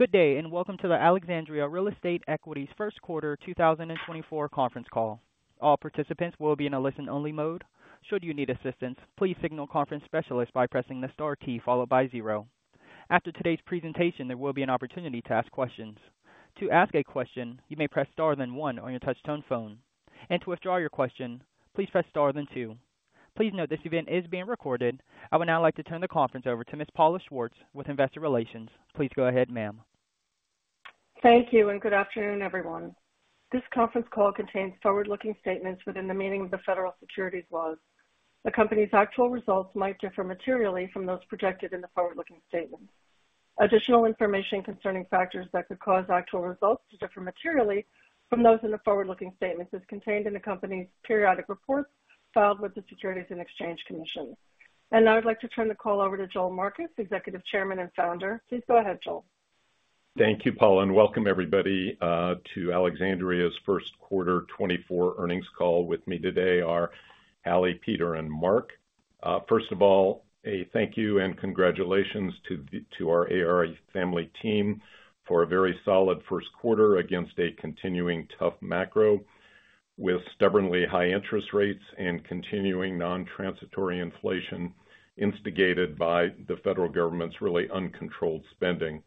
Good day, and welcome to the Alexandria Real Estate Equities Q1 2024 Conference Call. All participants will be in a listen-only mode. Should you need assistance, please signal conference specialist by pressing the star key followed by zero. After today's presentation, there will be an opportunity to ask questions. To ask a question, you may press star, then one on your touchtone phone, and to withdraw your question, please press star, then two. Please note, this event is being recorded. I would now like to turn the conference over to Ms. Paula Schwartz with Investor Relations. Please go ahead, ma'am. Thank you, and good afternoon, everyone. This Conference Call contains forward-looking statements within the meaning of the federal securities laws. The company's actual results might differ materially from those projected in the forward-looking statements. Additional information concerning factors that could cause actual results to differ materially from those in the forward-looking statements is contained in the company's periodic reports filed with the Securities and Exchange Commission. Now I'd like to turn the call over to Joel Marcus, Executive Chairman and Founder. Please go ahead, Joel. Thank you, Paula, and welcome everybody to Alexandria's Q1 2024 Earnings Call. With me today are Hallie, Peter, and Marc. First of all, a thank you and congratulations to the, to our ARE family team for a very solid Q1 against a continuing tough macro, with stubbornly high interest rates and continuing non-transitory inflation instigated by the federal government's really uncontrolled spending.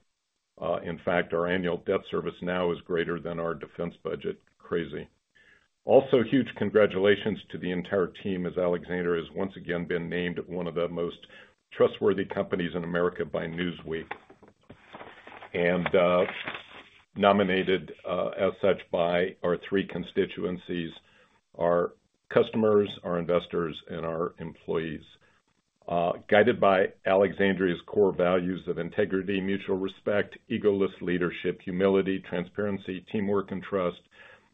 In fact, our annual debt service now is greater than our defense budget. Crazy. Also, huge congratulations to the entire team, as Alexandria has once again been named one of the most trustworthy companies in America by Newsweek, and nominated as such by our three constituencies, our customers, our investors, and our employees. Guided by Alexandria's core values of integrity, mutual respect, egoless leadership, humility, transparency, teamwork, and trust,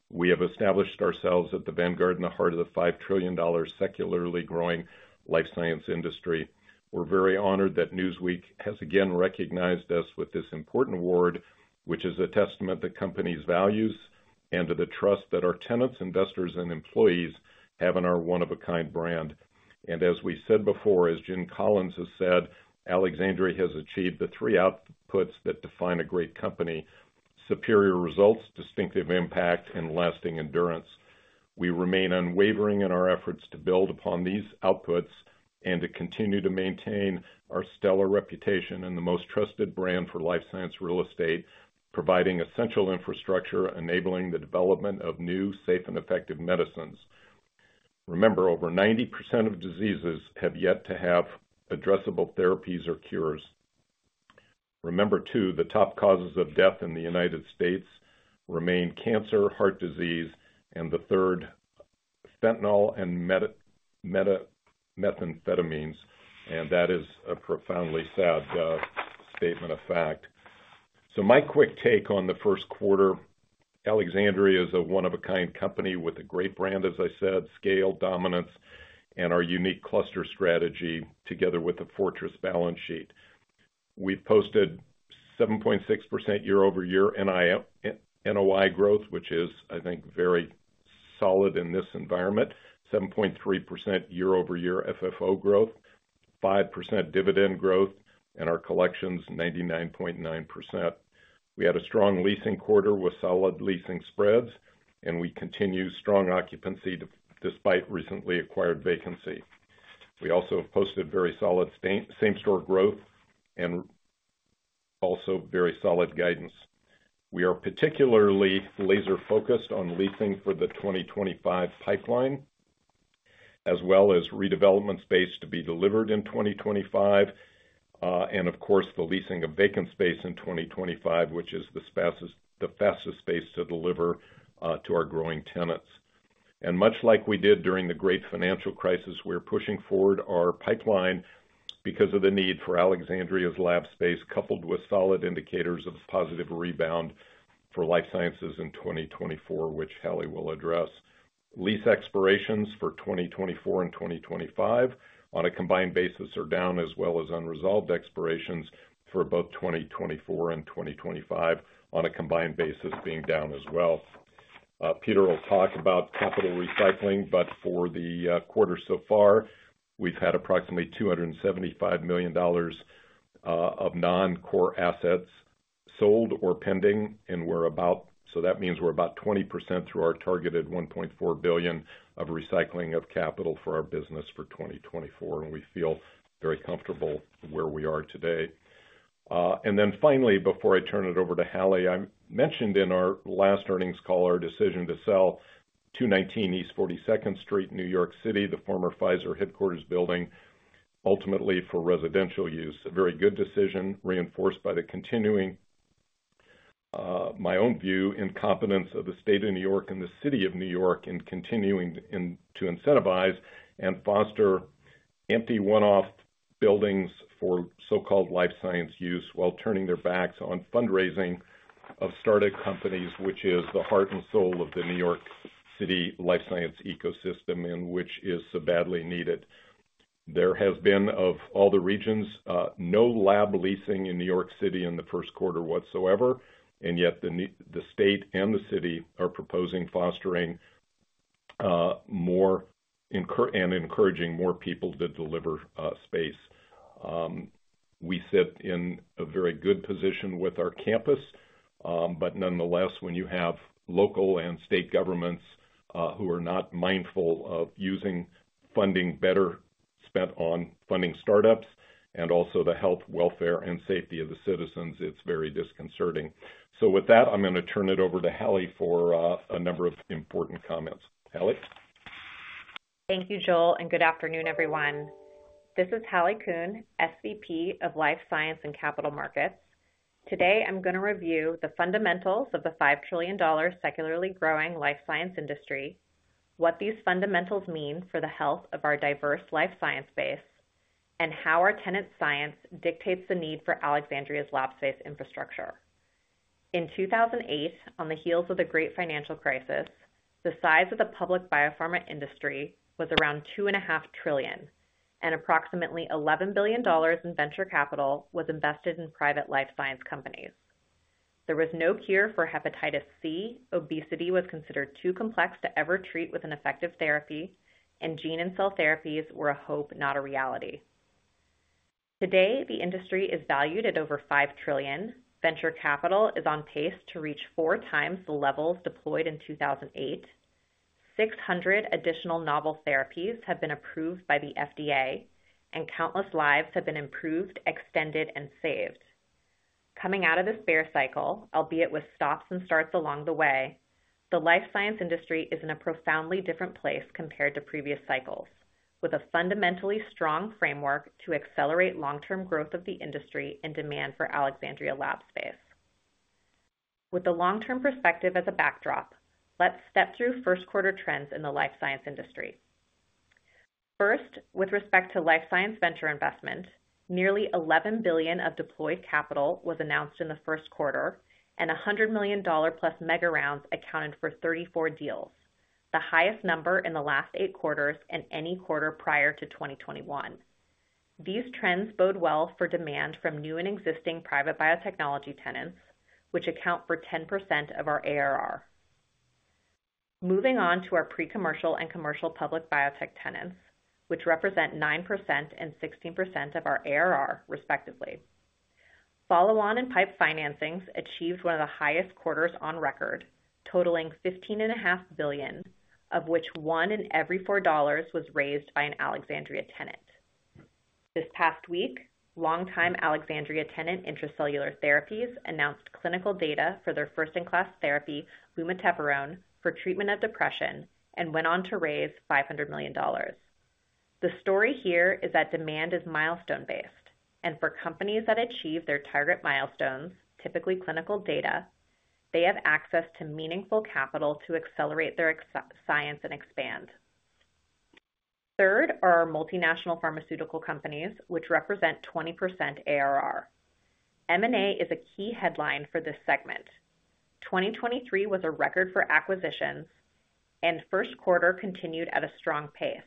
we have established ourselves at the vanguard in the heart of the $5 trillion secularly growing life science industry. We're very honored that Newsweek has again recognized us with this important award, which is a testament to the company's values and to the trust that our tenants, investors, and employees have in our one-of-a-kind brand. As we said before, as Jim Collins has said, Alexandria has achieved the three outputs that define a great company: superior results, distinctive impact, and lasting endurance. We remain unwavering in our efforts to build upon these outputs and to continue to maintain our stellar reputation and the most trusted brand for life science real estate, providing essential infrastructure, enabling the development of new, safe, and effective medicines. Remember, over 90% of diseases have yet to have addressable therapies or cures. Remember, too, the top causes of death in the United States remain cancer, heart disease, and the third, fentanyl and methamphetamines, and that is a profoundly sad statement of fact. So my quick take on the Q1, Alexandria is a one-of-a-kind company with a great brand, as I said, scale, dominance, and our unique cluster strategy, together with a fortress balance sheet. We've posted 7.6% year-over-year NOI growth, which is, I think, very solid in this environment. 7.3% year-over-year FFO growth, 5% dividend growth, and our collections, 99.9%. We had a strong leasing quarter with solid leasing spreads, and we continue strong occupancy despite recently acquired vacancy. We also have posted very solid same-store growth and also very solid guidance. We are particularly laser-focused on leasing for the 2025 pipeline, as well as redevelopment space to be delivered in 2025, and of course, the leasing of vacant space in 2025, which is the fastest space to deliver, to our growing tenants. And much like we did during the great financial crisis, we're pushing forward our pipeline because of the need for Alexandria's lab space, coupled with solid indicators of a positive rebound for life sciences in 2024, which Hallie will address. Lease expirations for 2024 and 2025 on a combined basis are down, as well as unresolved expirations for both 2024 and 2025 on a combined basis, being down as well. Peter will talk about capital recycling, but for the quarter so far, we've had approximately $275 million of non-core assets sold or pending, and we're about 20% through our targeted $1.4 billion of recycling of capital for our business for 2024, and we feel very comfortable where we are today. And then finally, before I turn it over to Hallie, I mentioned in our last Earnings Call, our decision to sell 219 East 42nd Street, New York City, the former Pfizer headquarters building, ultimately for residential use. A very good decision, reinforced by the continuing, my own view, incompetence of the State of New York and the City of New York in continuing to incentivize and foster empty one-off buildings for so-called life science use while turning their backs on fundraising of startup companies, which is the heart and soul of the New York City life science ecosystem, and which is so badly needed. There has been, of all the regions, no lab leasing in New York City in the Q1 whatsoever, and yet the state and the city are proposing fostering and encouraging more people to deliver space. We sit in a very good position with our campus, but nonetheless, when you have local and state governments who are not mindful of using funding better spent on funding startups and also the health, welfare, and safety of the citizens, it's very disconcerting. So with that, I'm going to turn it over to Hallie for a number of important comments. Hallie? Thank you, Joel, and good afternoon, everyone. This is Hallie Kuhn, SVP of Life Science and Capital Markets. Today, I'm going to review the fundamentals of the $5 trillion secularly growing life science industry, what these fundamentals mean for the health of our diverse life science base, and how our tenant science dictates the need for Alexandria's lab space infrastructure. In 2008, on the heels of the great financial crisis, the size of the public biopharma industry was around $2.5 trillion, and approximately $11 billion in venture capital was invested in private life science companies. There was no cure for hepatitis C, obesity was considered too complex to ever treat with an effective therapy, and gene and cell therapies were a hope, not a reality. Today, the industry is valued at over $5 trillion. Venture capital is on pace to reach 4 times the levels deployed in 2008. 600 additional novel therapies have been approved by the FDA, and countless lives have been improved, extended, and saved. Coming out of this bear cycle, albeit with stops and starts along the way, the life science industry is in a profoundly different place compared to previous cycles, with a fundamentally strong framework to accelerate long-term growth of the industry and demand for Alexandria lab space. With the long-term perspective as a backdrop, let's step through Q1 trends in the life science industry. First, with respect to life science venture investment, nearly $11 billion of deployed capital was announced in the Q1, and $100 million+ mega rounds accounted for 34 deals, the highest number in the last 8 quarters and any quarter prior to 2021. These trends bode well for demand from new and existing private biotechnology tenants, which account for 10% of our ARR. Moving on to our pre-commercial and commercial public biotech tenants, which represent 9% and 16% of our ARR, respectively. Follow-on and pipe financings achieved one of the highest quarters on record, totaling $15.5 billion, of which one in every four dollars was raised by an Alexandria tenant. This past week, longtime Alexandria tenant, Intra-Cellular Therapies, announced clinical data for their first-in-class therapy, lumateperone, for treatment of depression and went on to raise $500 million. The story here is that demand is milestone-based, and for companies that achieve their target milestones, typically clinical data, they have access to meaningful capital to accelerate their exciting science and expand. Third are our multinational pharmaceutical companies, which represent 20% ARR. M&A is a key headline for this segment. 2023 was a record for acquisitions, and Q1 continued at a strong pace,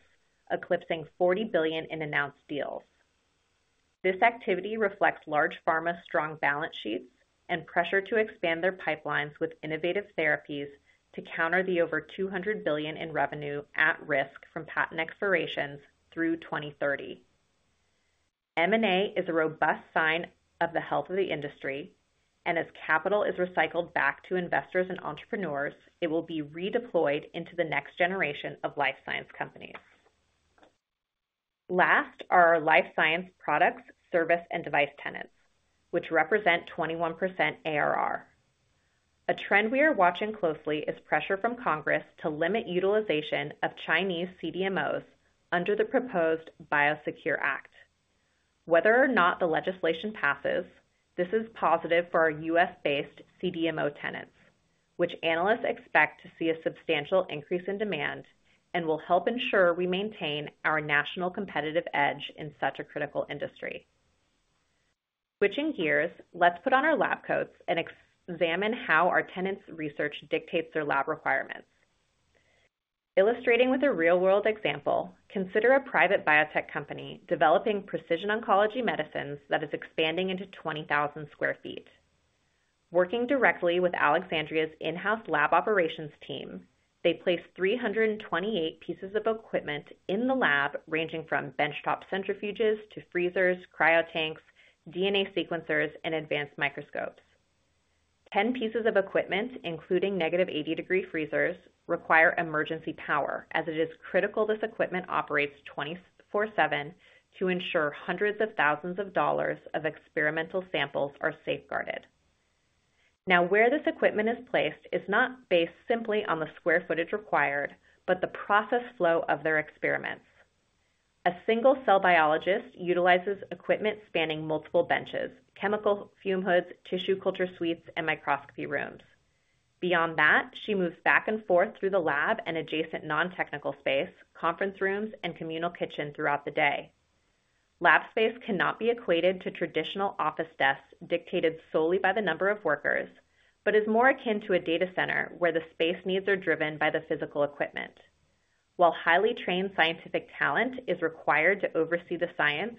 eclipsing $40 billion in announced deals. This activity reflects large pharma, strong balance sheets, and pressure to expand their pipelines with innovative therapies to counter the over $200 billion in revenue at risk from patent expirations through 2030. M&A is a robust sign of the health of the industry, and as capital is recycled back to investors and entrepreneurs, it will be redeployed into the next generation of life science companies. Last are our life science products, service, and device tenants, which represent 21% ARR. A trend we are watching closely is pressure from Congress to limit utilization of Chinese CDMOs under the proposed BioSecure Act. Whether or not the legislation passes, this is positive for our U.S.-based CDMO tenants, which analysts expect to see a substantial increase in demand and will help ensure we maintain our national competitive edge in such a critical industry. Switching gears, let's put on our lab coats and examine how our tenants' research dictates their lab requirements. Illustrating with a real-world example, consider a private biotech company developing precision oncology medicines that is expanding into 20,000 sq ft. Working directly with Alexandria's in-house lab operations team, they placed 328 pieces of equipment in the lab, ranging from benchtop centrifuges to freezers, cryotanks, DNA sequencers, and advanced microscopes. 10 pieces of equipment, including -80-degree freezers, require emergency power, as it is critical this equipment operates 24/7 to ensure $hundreds of thousands of experimental samples are safeguarded. Now, where this equipment is placed is not based simply on the square footage required, but the process flow of their experiments. A single cell biologist utilizes equipment spanning multiple benches, chemical fume hoods, tissue culture suites, and microscopy rooms. Beyond that, she moves back and forth through the lab and adjacent non-technical space, conference rooms, and communal kitchen throughout the day. Lab space cannot be equated to traditional office desks dictated solely by the number of workers, but is more akin to a data center where the space needs are driven by the physical equipment. While highly trained scientific talent is required to oversee the science...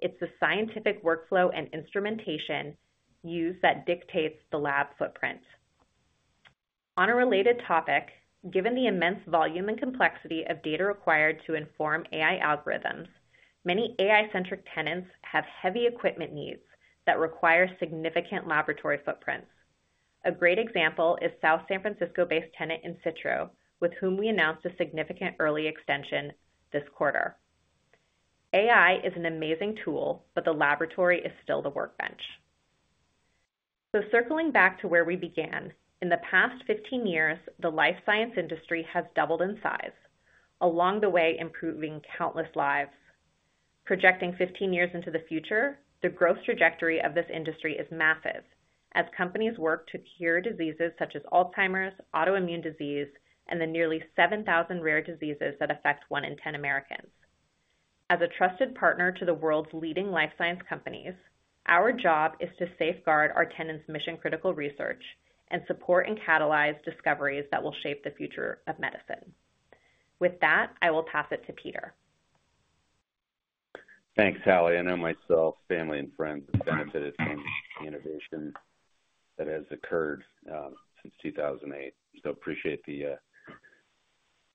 It's the scientific workflow and instrumentation used that dictates the lab footprint. On a related topic, given the immense volume and complexity of data required to inform AI algorithms, many AI-centric tenants have heavy equipment needs that require significant laboratory footprints. A great example is South San Francisco-based tenant Insitro, with whom we announced a significant early extension this quarter. AI is an amazing tool, but the laboratory is still the workbench. So circling back to where we began, in the past 15 years, the life science industry has doubled in size, along the way, improving countless lives. Projecting 15 years into the future, the growth trajectory of this industry is massive, as companies work to cure diseases such as Alzheimer's, autoimmune disease, and the nearly 7,000 rare diseases that affect one in ten Americans. As a trusted partner to the world's leading life science companies, our job is to safeguard our tenants' mission-critical research and support and catalyze discoveries that will shape the future of medicine. With that, I will pass it to Peter. Thanks, Hallie. I know myself, family, and friends have benefited from the innovation that has occurred since 2008, so appreciate the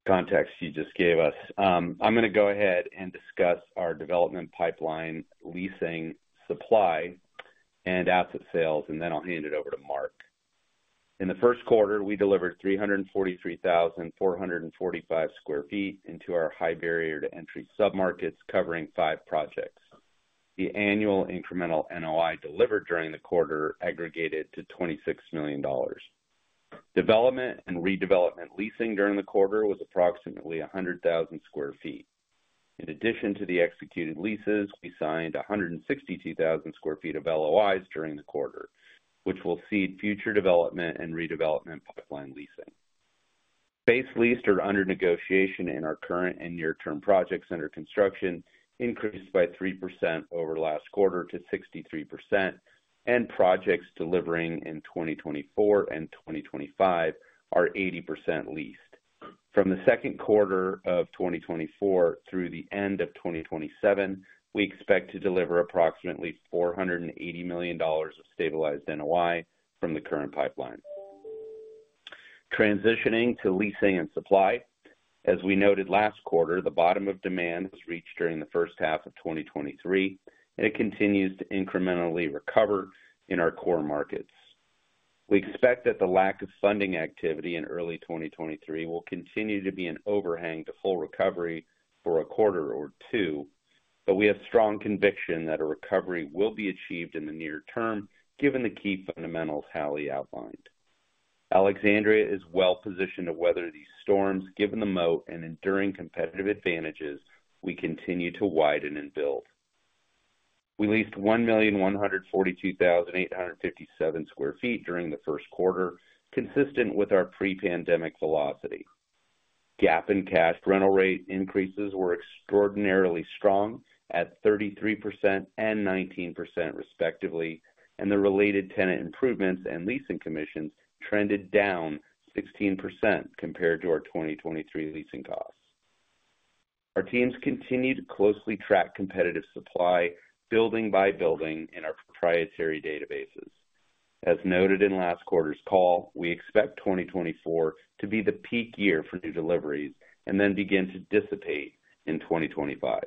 context you just gave us. I'm going to go ahead and discuss our development pipeline, leasing, supply, and asset sales, and then I'll hand it over to Marc. In the Q1, we delivered 343,445 sq ft into our high barrier to entry submarkets, covering 5 projects. The annual incremental NOI delivered during the quarter aggregated to $26 million. Development and redevelopment leasing during the quarter was approximately 100,000 sq ft. In addition to the executed leases, we signed 162,000 sq ft of LOIs during the quarter, which will seed future development and redevelopment pipeline leasing. Base leased or under negotiation in our current and near-term projects under construction increased by 3% over last quarter to 63%, and projects delivering in 2024 and 2025 are 80% leased. From the second quarter of 2024 through the end of 2027, we expect to deliver approximately $480 million of stabilized NOI from the current pipeline. Transitioning to leasing and supply. As we noted last quarter, the bottom of demand was reached during the first half of 2023, and it continues to incrementally recover in our core markets. We expect that the lack of funding activity in early 2023 will continue to be an overhang to full recovery for a quarter or two, but we have strong conviction that a recovery will be achieved in the near term, given the key fundamentals Hallie outlined. Alexandria is well positioned to weather these storms, given the moat and enduring competitive advantages we continue to widen and build. We leased 1,142,857 sq ft during the Q1, consistent with our pre-pandemic velocity. GAAP and cash rental rate increases were extraordinarily strong at 33% and 19%, respectively, and the related tenant improvements and leasing commissions trended down 16% compared to our 2023 leasing costs. Our teams continue to closely track competitive supply, building by building in our proprietary databases. As noted in last quarter's call, we expect 2024 to be the peak year for new deliveries and then begin to dissipate in 2025.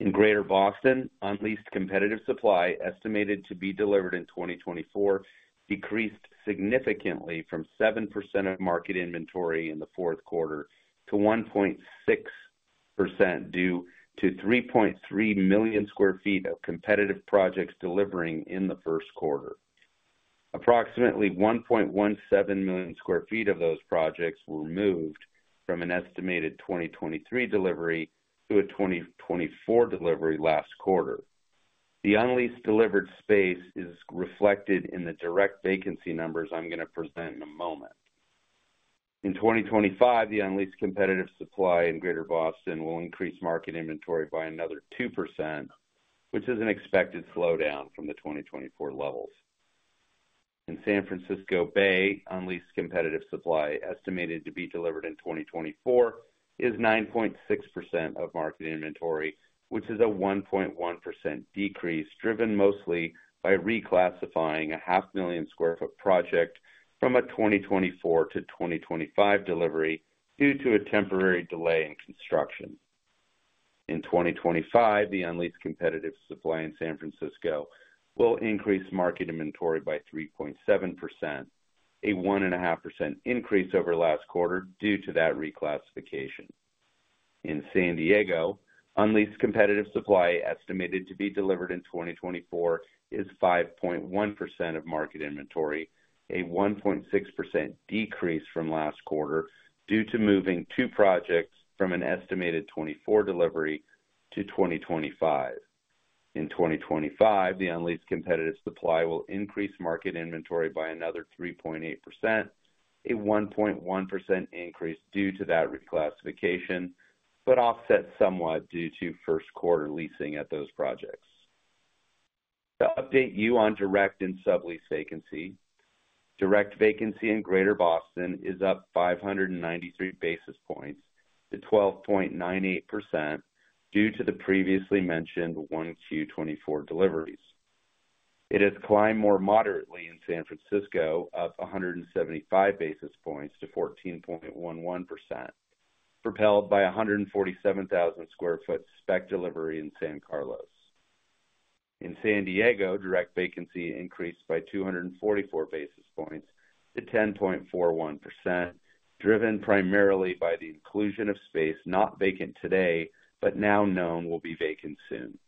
In Greater Boston, unleashed competitive supply, estimated to be delivered in 2024, decreased significantly from 7% of market inventory in the Q4 to 1.6%, due to 3.3 million sq ft of competitive projects delivering in the Q1. Approximately 1.17 million sq ft of those projects were moved from an estimated 2023 delivery to a 2024 delivery last quarter. The unleased delivered space is reflected in the direct vacancy numbers I'm going to present in a moment. In 2025, the unleased competitive supply in Greater Boston will increase market inventory by another 2%, which is an expected slowdown from the 2024 levels. In San Francisco Bay, unleased competitive supply, estimated to be delivered in 2024, is 9.6% of market inventory, which is a 1.1% decrease, driven mostly by reclassifying a 500,000 sq ft project from a 2024 to 2025 delivery due to a temporary delay in construction. In 2025, the unleased competitive supply in San Francisco will increase market inventory by 3.7%, a 1.5% increase over last quarter due to that reclassification. In San Diego, unleased competitive supply, estimated to be delivered in 2024, is 5.1% of market inventory, a 1.6% decrease from last quarter due to moving two projects from an estimated 2024 delivery to 2025. In 2025, the unleased competitive supply will increase market inventory by another 3.8%, a 1.1% increase due to that reclassification, but offset somewhat due to Q1 leasing at those projects. To update you on direct and sublease vacancy. Direct vacancy in Greater Boston is up 593 basis points to 12.98%, due to the previously mentioned 1Q 2024 deliveries. It has climbed more moderately in San Francisco, up 175 basis points to 14.11%, propelled by a 147,000 sq ft spec delivery in San Carlos. In San Diego, direct vacancy increased by 244 basis points to 10.41%, driven primarily by the inclusion of space not vacant today, but now known will be vacant soon.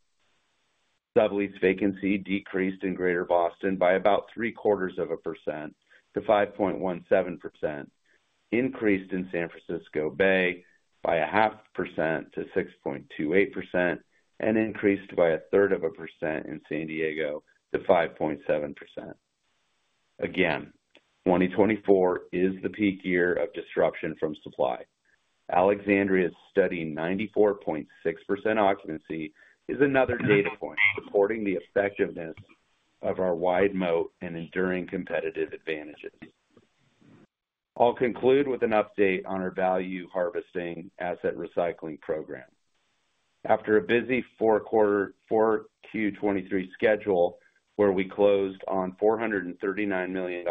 Sublease vacancy decreased in Greater Boston by about 0.75% to 5.17%, increased in San Francisco Bay by 0.5% to 6.28%, and increased by 0.33% in San Diego to 5.7%. Again, 2024 is the peak year of disruption from supply. Alexandria's steady 94.6% occupancy is another data point supporting the effectiveness of our wide moat and enduring competitive advantages. I'll conclude with an update on our value harvesting asset recycling program. After a busy 4Q 2023 schedule, where we closed on $439 million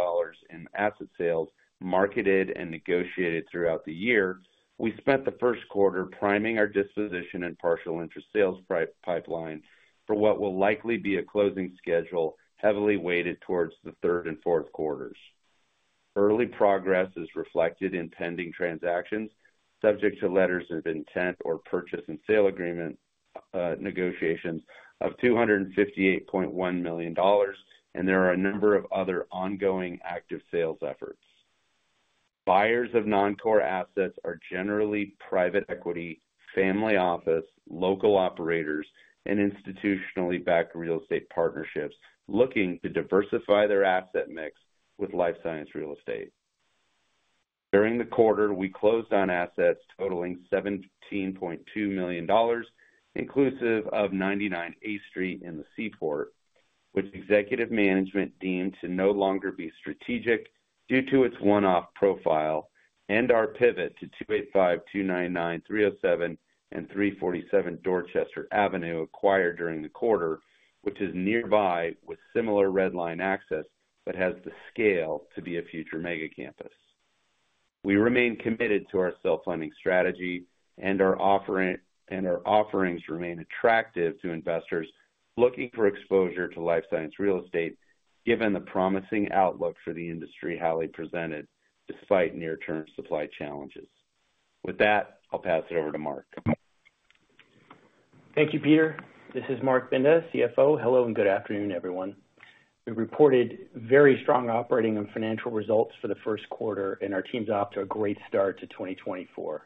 in asset sales, marketed and negotiated throughout the year, we spent the Q1 priming our disposition and partial interest sales pipeline for what will likely be a closing schedule, heavily weighted towards the third and Q4s. Early progress is reflected in pending transactions, subject to letters of intent or purchase and sale agreement negotiations of $258.1 million, and there are a number of other ongoing active sales efforts. Buyers of non-core assets are generally private equity, family office, local operators, and institutionally backed real estate partnerships, looking to diversify their asset mix with life science real estate. During the quarter, we closed on assets totaling $17.2 million, inclusive of 99 A Street in the Seaport, which executive management deemed to no longer be strategic due to its one-off profile and our pivot to 285, 299, 307, and 347 Dorchester Avenue acquired during the quarter, which is nearby with similar Red Line access, but has the scale to be a future mega campus. We remain committed to our self-funding strategy, and our offering, and our offerings remain attractive to investors looking for exposure to life science real estate, given the promising outlook for the industry, highly presented despite near-term supply challenges. With that, I'll pass it over to Marc. Thank you, Peter. This is Marc Binda, CFO. Hello, and good afternoon, everyone. We reported very strong operating and financial results for the Q1, and our team's off to a great start to 2024.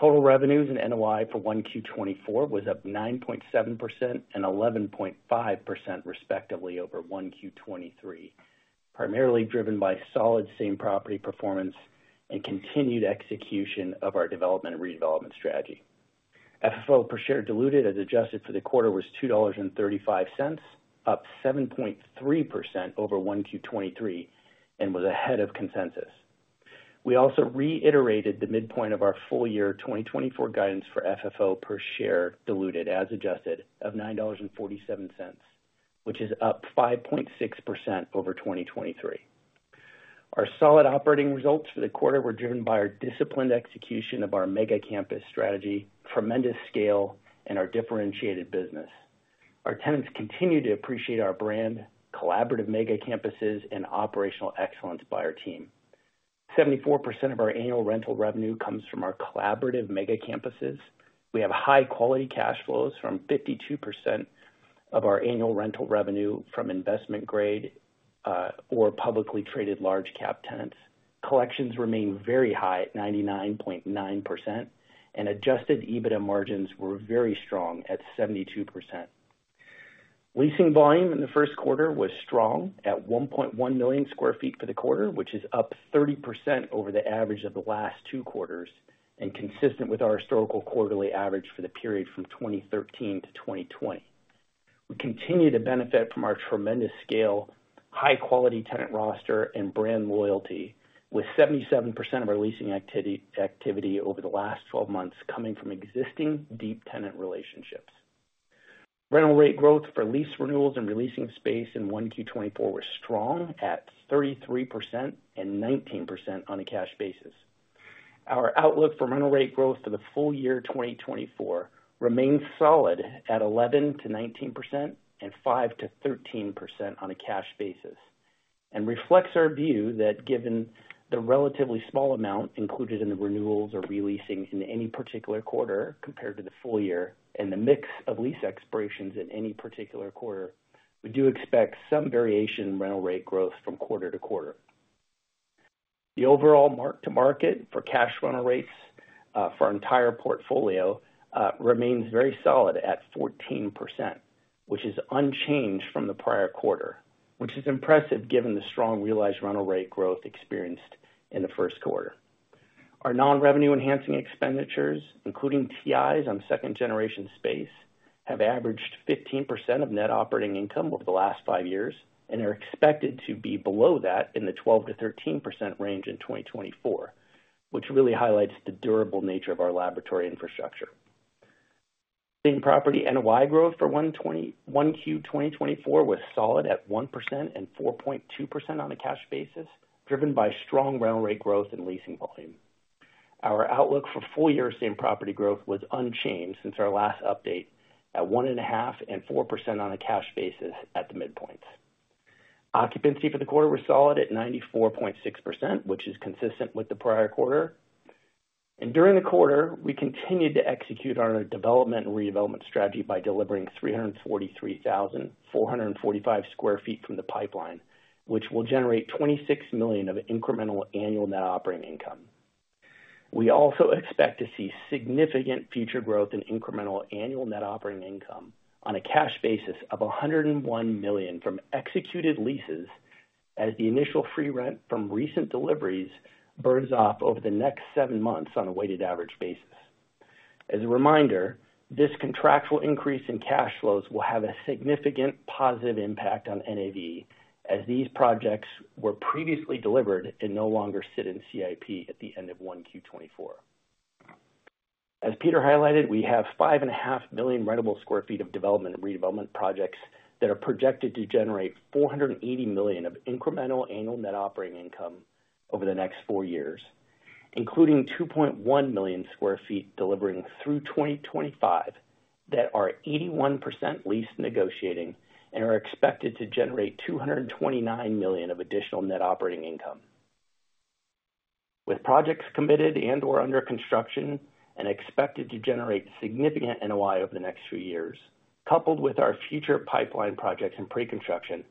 Total revenues and NOI for 1Q 2024 was up 9.7% and 11.5% respectively over 1Q 2023, primarily driven by solid same property performance and continued execution of our development and redevelopment strategy. FFO per share diluted as adjusted for the quarter was $2.35, up 7.3% over 1Q 2023, and was ahead of consensus. We also reiterated the midpoint of our full year 2024 guidance for FFO per share, diluted, as adjusted, of $9.47, which is up 5.6% over 2023. Our solid operating results for the quarter were driven by our disciplined execution of our mega campus strategy, tremendous scale, and our differentiated business. Our tenants continue to appreciate our brand, collaborative mega campuses, and operational excellence by our team. 74% of our annual rental revenue comes from our collaborative mega campuses. We have high-quality cash flows from 52% of our annual rental revenue from investment grade, or publicly traded large cap tenants. Collections remain very high at 99.9%, and adjusted EBITDA margins were very strong at 72%. Leasing volume in the Q1 was strong at 1.1 million sq ft for the quarter, which is up 30% over the average of the last two quarters, and consistent with our historical quarterly average for the period from 2013 to 2020. We continue to benefit from our tremendous scale, high quality tenant roster, and brand loyalty, with 77% of our leasing activity over the last 12 months coming from existing deep tenant relationships. Rental rate growth for lease renewals and releasing space in 1Q 2024 were strong at 33% and 19% on a cash basis. Our outlook for rental rate growth for the full year 2024 remains solid at 11%-19% and 5%-13% on a cash basis, and reflects our view that given the relatively small amount included in the renewals or re-leasings in any particular quarter compared to the full year, and the mix of lease expirations in any particular quarter, we do expect some variation in rental rate growth from quarter to quarter. The overall Mark to Market for cash rental rates for our entire portfolio remains very solid at 14%, which is unchanged from the prior quarter, which is impressive given the strong realized rental rate growth experienced in the Q1. Our non-revenue enhancing expenditures, including TIs on second generation space, have averaged 15% of net operating income over the last five years, and are expected to be below that in the 12%-13% range in 2024, which really highlights the durable nature of our laboratory infrastructure. Same property NOI growth for 1Q 2024 was solid at 1% and 4.2% on a cash basis, driven by strong rental rate growth and leasing volume. Our outlook for full year same property growth was unchanged since our last update, at 1.5%-4% on a cash basis at the midpoint. Occupancy for the quarter was solid at 94.6%, which is consistent with the prior quarter. During the quarter, we continued to execute on our development and redevelopment strategy by delivering 343,445 sq ft from the pipeline, which will generate $26 million of incremental annual net operating income. We also expect to see significant future growth in incremental annual net operating income on a cash basis of $101 million from executed leases, as the initial free rent from recent deliveries burns off over the next seven months on a weighted average basis. As a reminder, this contractual increase in cash flows will have a significant positive impact on NAV, as these projects were previously delivered and no longer sit in CIP at the end of Q1 2024. As Peter highlighted, we have 5.5 million rentable sq ft of development and redevelopment projects that are projected to generate $480 million of incremental annual net operating income over the next four years, including 2.1 million sq ft delivering through 2025, that are 81% leased negotiating and are expected to generate $229 million of additional net operating income. With projects committed and/or under construction and expected to generate significant NOI over the next few years, coupled with our future pipeline projects in pre-construction,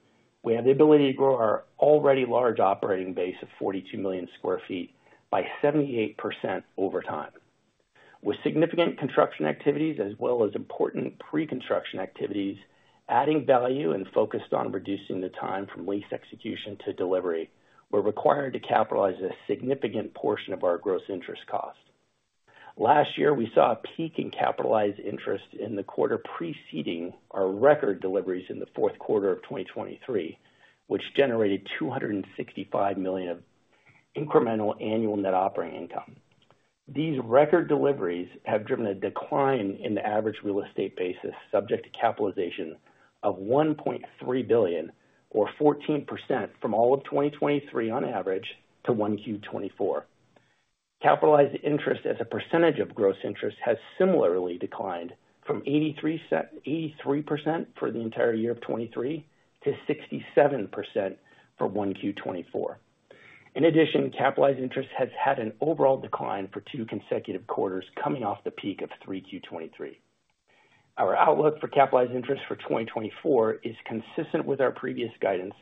we have the ability to grow our already large operating base of 42 million sq ft by 78% over time. With significant construction activities as well as important pre-construction activities, adding value and focused on reducing the time from lease execution to delivery, we're required to capitalize a significant portion of our gross interest costs. Last year, we saw a peak in capitalized interest in the quarter preceding our record deliveries in the Q4 of 2023, which generated $265 million of incremental annual net operating income. These record deliveries have driven a decline in the average real estate basis, subject to capitalization of $1.3 billion, or 14% from all of 2023 on average to 1Q 2024. Capitalized interest as a percentage of gross interest has similarly declined from 83% for the entire year of 2023 to 67% for 1Q 2024. In addition, capitalized interest has had an overall decline for two consecutive quarters coming off the peak of 3Q 2023. Our outlook for capitalized interest for 2024 is consistent with our previous guidance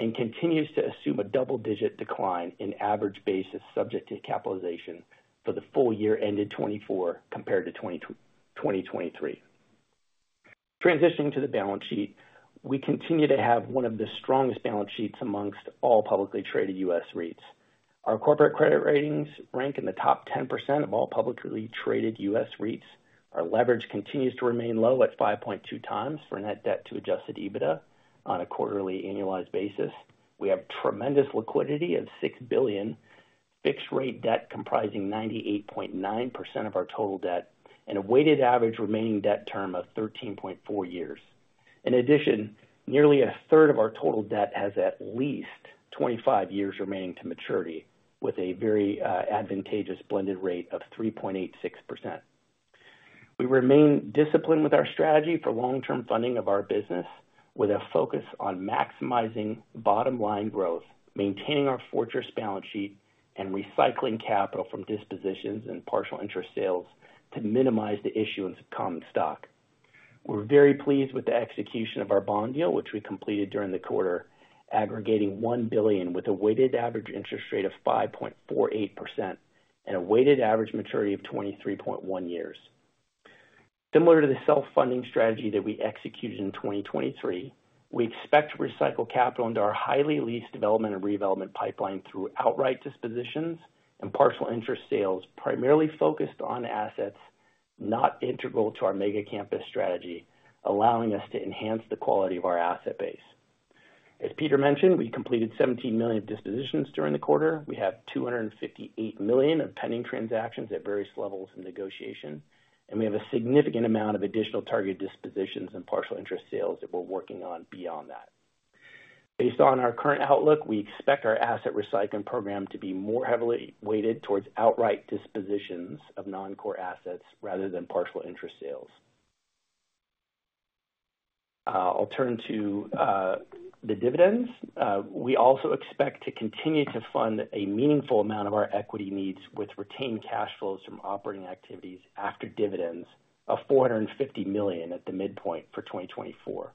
and continues to assume a double-digit decline in average basis subject to capitalization for the full year ended 2024, compared to 2023. Transitioning to the balance sheet, we continue to have one of the strongest balance sheets amongst all publicly traded U.S. REITs. Our corporate credit ratings rank in the top 10% of all publicly traded U.S. REITs. Our leverage continues to remain low at 5.2x for net debt to adjusted EBITDA on a quarterly annualized basis. We have tremendous liquidity of $6 billion, fixed rate debt comprising 98.9% of our total debt, and a weighted average remaining debt term of 13.4 years. In addition, nearly a third of our total debt has at least 25 years remaining to maturity, with a very, advantageous blended rate of 3.86%. We remain disciplined with our strategy for long-term funding of our business, with a focus on maximizing bottom line growth, maintaining our fortress balance sheet, and recycling capital from dispositions and partial interest sales to minimize the issuance of common stock. We're very pleased with the execution of our bond deal, which we completed during the quarter, aggregating $1 billion with a weighted average interest rate of 5.48% and a weighted average maturity of 23.1 years. Similar to the self-funding strategy that we executed in 2023, we expect to recycle capital into our highly leased development and redevelopment pipeline through outright dispositions and partial interest sales, primarily focused on assets not integral to our mega campus strategy, allowing us to enhance the quality of our asset base. As Peter mentioned, we completed $17 million of dispositions during the quarter. We have $258 million of pending transactions at various levels of negotiation, and we have a significant amount of additional targeted dispositions and partial interest sales that we're working on beyond that. Based on our current outlook, we expect our asset recycling program to be more heavily weighted towards outright dispositions of non-core assets rather than partial interest sales. I'll turn to the dividends. We also expect to continue to fund a meaningful amount of our equity needs with retained cash flows from operating activities after dividends of $450 million at the midpoint for 2024,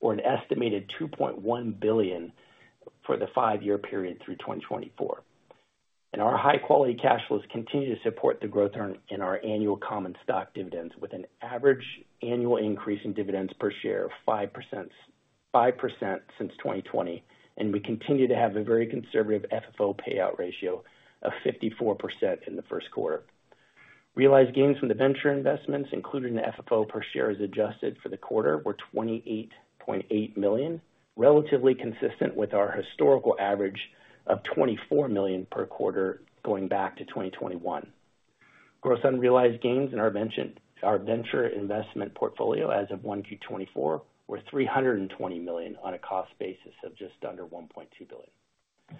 or an estimated $2.1 billion for the five-year period through 2024. And our high-quality cash flows continue to support the growth in our annual common stock dividends, with an average annual increase in dividends per share of 5%... 5% since 2020, and we continue to have a very conservative FFO payout ratio of 54% in the Q1. Realized gains from the venture investments, including the FFO per share, is adjusted for the quarter, were $28.8 million, relatively consistent with our historical average of $24 million per quarter going back to 2021. Gross unrealized gains in our venture, our venture investment portfolio as of 1Q 2024 were $320 million on a cost basis of just under $1.2 billion.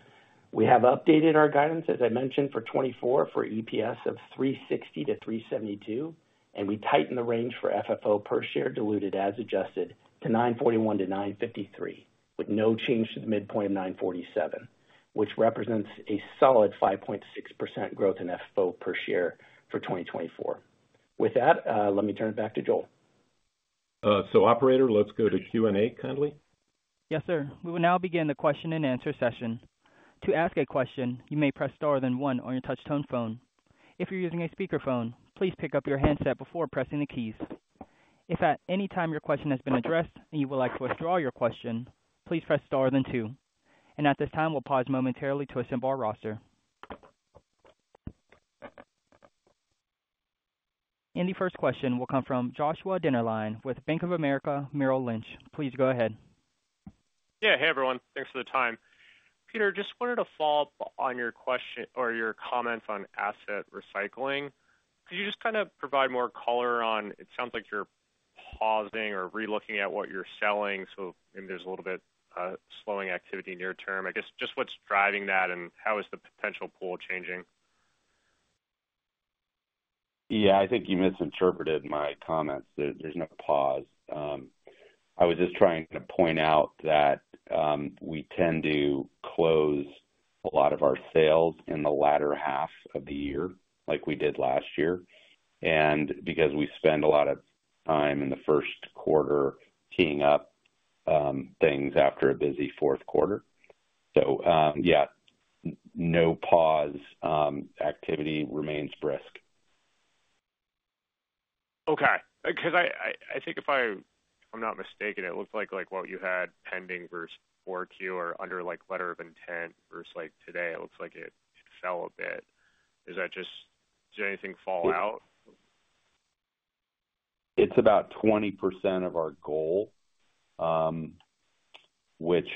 We have updated our guidance, as I mentioned, for 2024, for EPS of $3.60-$3.72, and we tightened the range for FFO per share, diluted as adjusted to $9.41-$9.53, with no change to the midpoint of $9.47, which represents a solid 5.6% growth in FFO per share for 2024. With that, let me turn it back to Joel. Operator, let's go to Q&A, kindly. Yes, sir. We will now begin the question-and-answer session. To ask a question, you may press star then one on your touch tone phone. If you're using a speakerphone, please pick up your handset before pressing the keys. If at any time your question has been addressed and you would like to withdraw your question, please press star then two. At this time, we'll pause momentarily to assemble our roster. The first question will come from Joshua Dennerlein with Bank of America Merrill Lynch. Please go ahead. Yeah. Hey, everyone. Thanks for the time. Peter, just wanted to follow up on your question or your comments on asset recycling. Could you just kind of provide more color on... It sounds like you're pausing or relooking at what you're selling, so maybe there's a little bit, slowing activity near term. I guess, just what's driving that, and how is the potential pool changing? Yeah, I think you misinterpreted my comments. There's no pause. I was just trying to point out that, we tend to close a lot of our sales in the latter half of the year, like we did last year, and because we spend a lot of time in the Q1 teeing up, things after a busy Q4. So, yeah, no pause. Activity remains brisk. Okay. Because I think if I'm not mistaken, it looks like, like, what you had pending versus 4Q or under, like, letter of intent versus, like, today, it looks like it fell a bit. Is that just—did anything fall out? It's about 20% of our goal, which,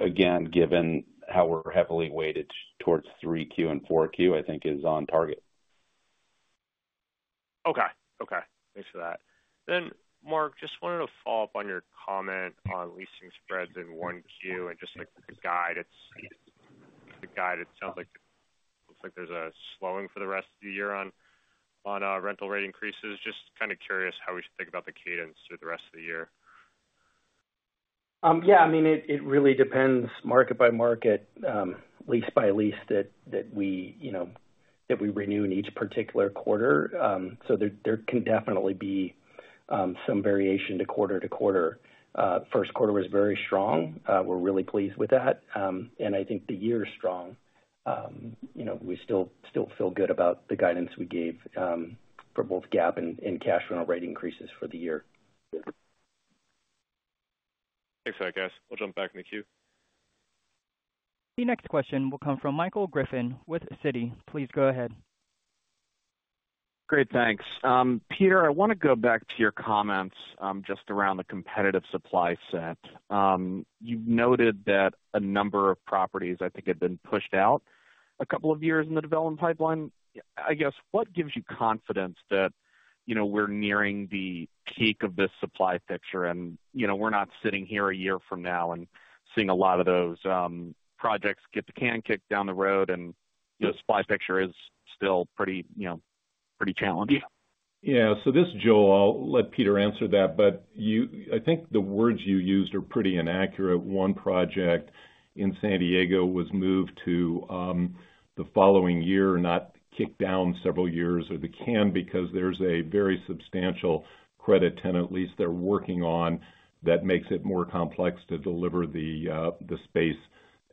again, given how we're heavily weighted towards 3Q and 4Q, I think is on target. Okay. Okay, thanks for that. Then, Marc, just wanted to follow up on your comment on leasing spreads in 1Q and just, like, the guide. It's the guide, it sounds like, looks like there's a slowing for the rest of the year on, on, rental rate increases. Just kind of curious how we should think about the cadence through the rest of the year. Yeah, I mean, it really depends market by market, lease by lease, that we, you know, that we renew in each particular quarter. So there can definitely be some variation to quarter to quarter. Q1 was very strong. We're really pleased with that. And I think the year is strong. You know, we still feel good about the guidance we gave for both GAAP and cash rental rate increases for the year. Thanks for that, guys. We'll jump back in the queue. The next question will come from Michael Griffin with Citi. Please go ahead. Great, thanks. Peter, I want to go back to your comments, just around the competitive supply set. You've noted that a number of properties, I think, have been pushed out a couple of years in the development pipeline. I guess, what gives you confidence that, you know, we're nearing the peak of this supply picture and, you know, we're not sitting here a year from now and seeing a lot of those projects get the can kicked down the road, and the supply picture is still pretty, you know, pretty challenging? Yeah. So this is Joel. I'll let Peter answer that, but you—I think the words you used are pretty inaccurate. One project in San Diego was moved to the following year, not kicked down several years or the can, because there's a very substantial credit tenant lease they're working on that makes it more complex to deliver the space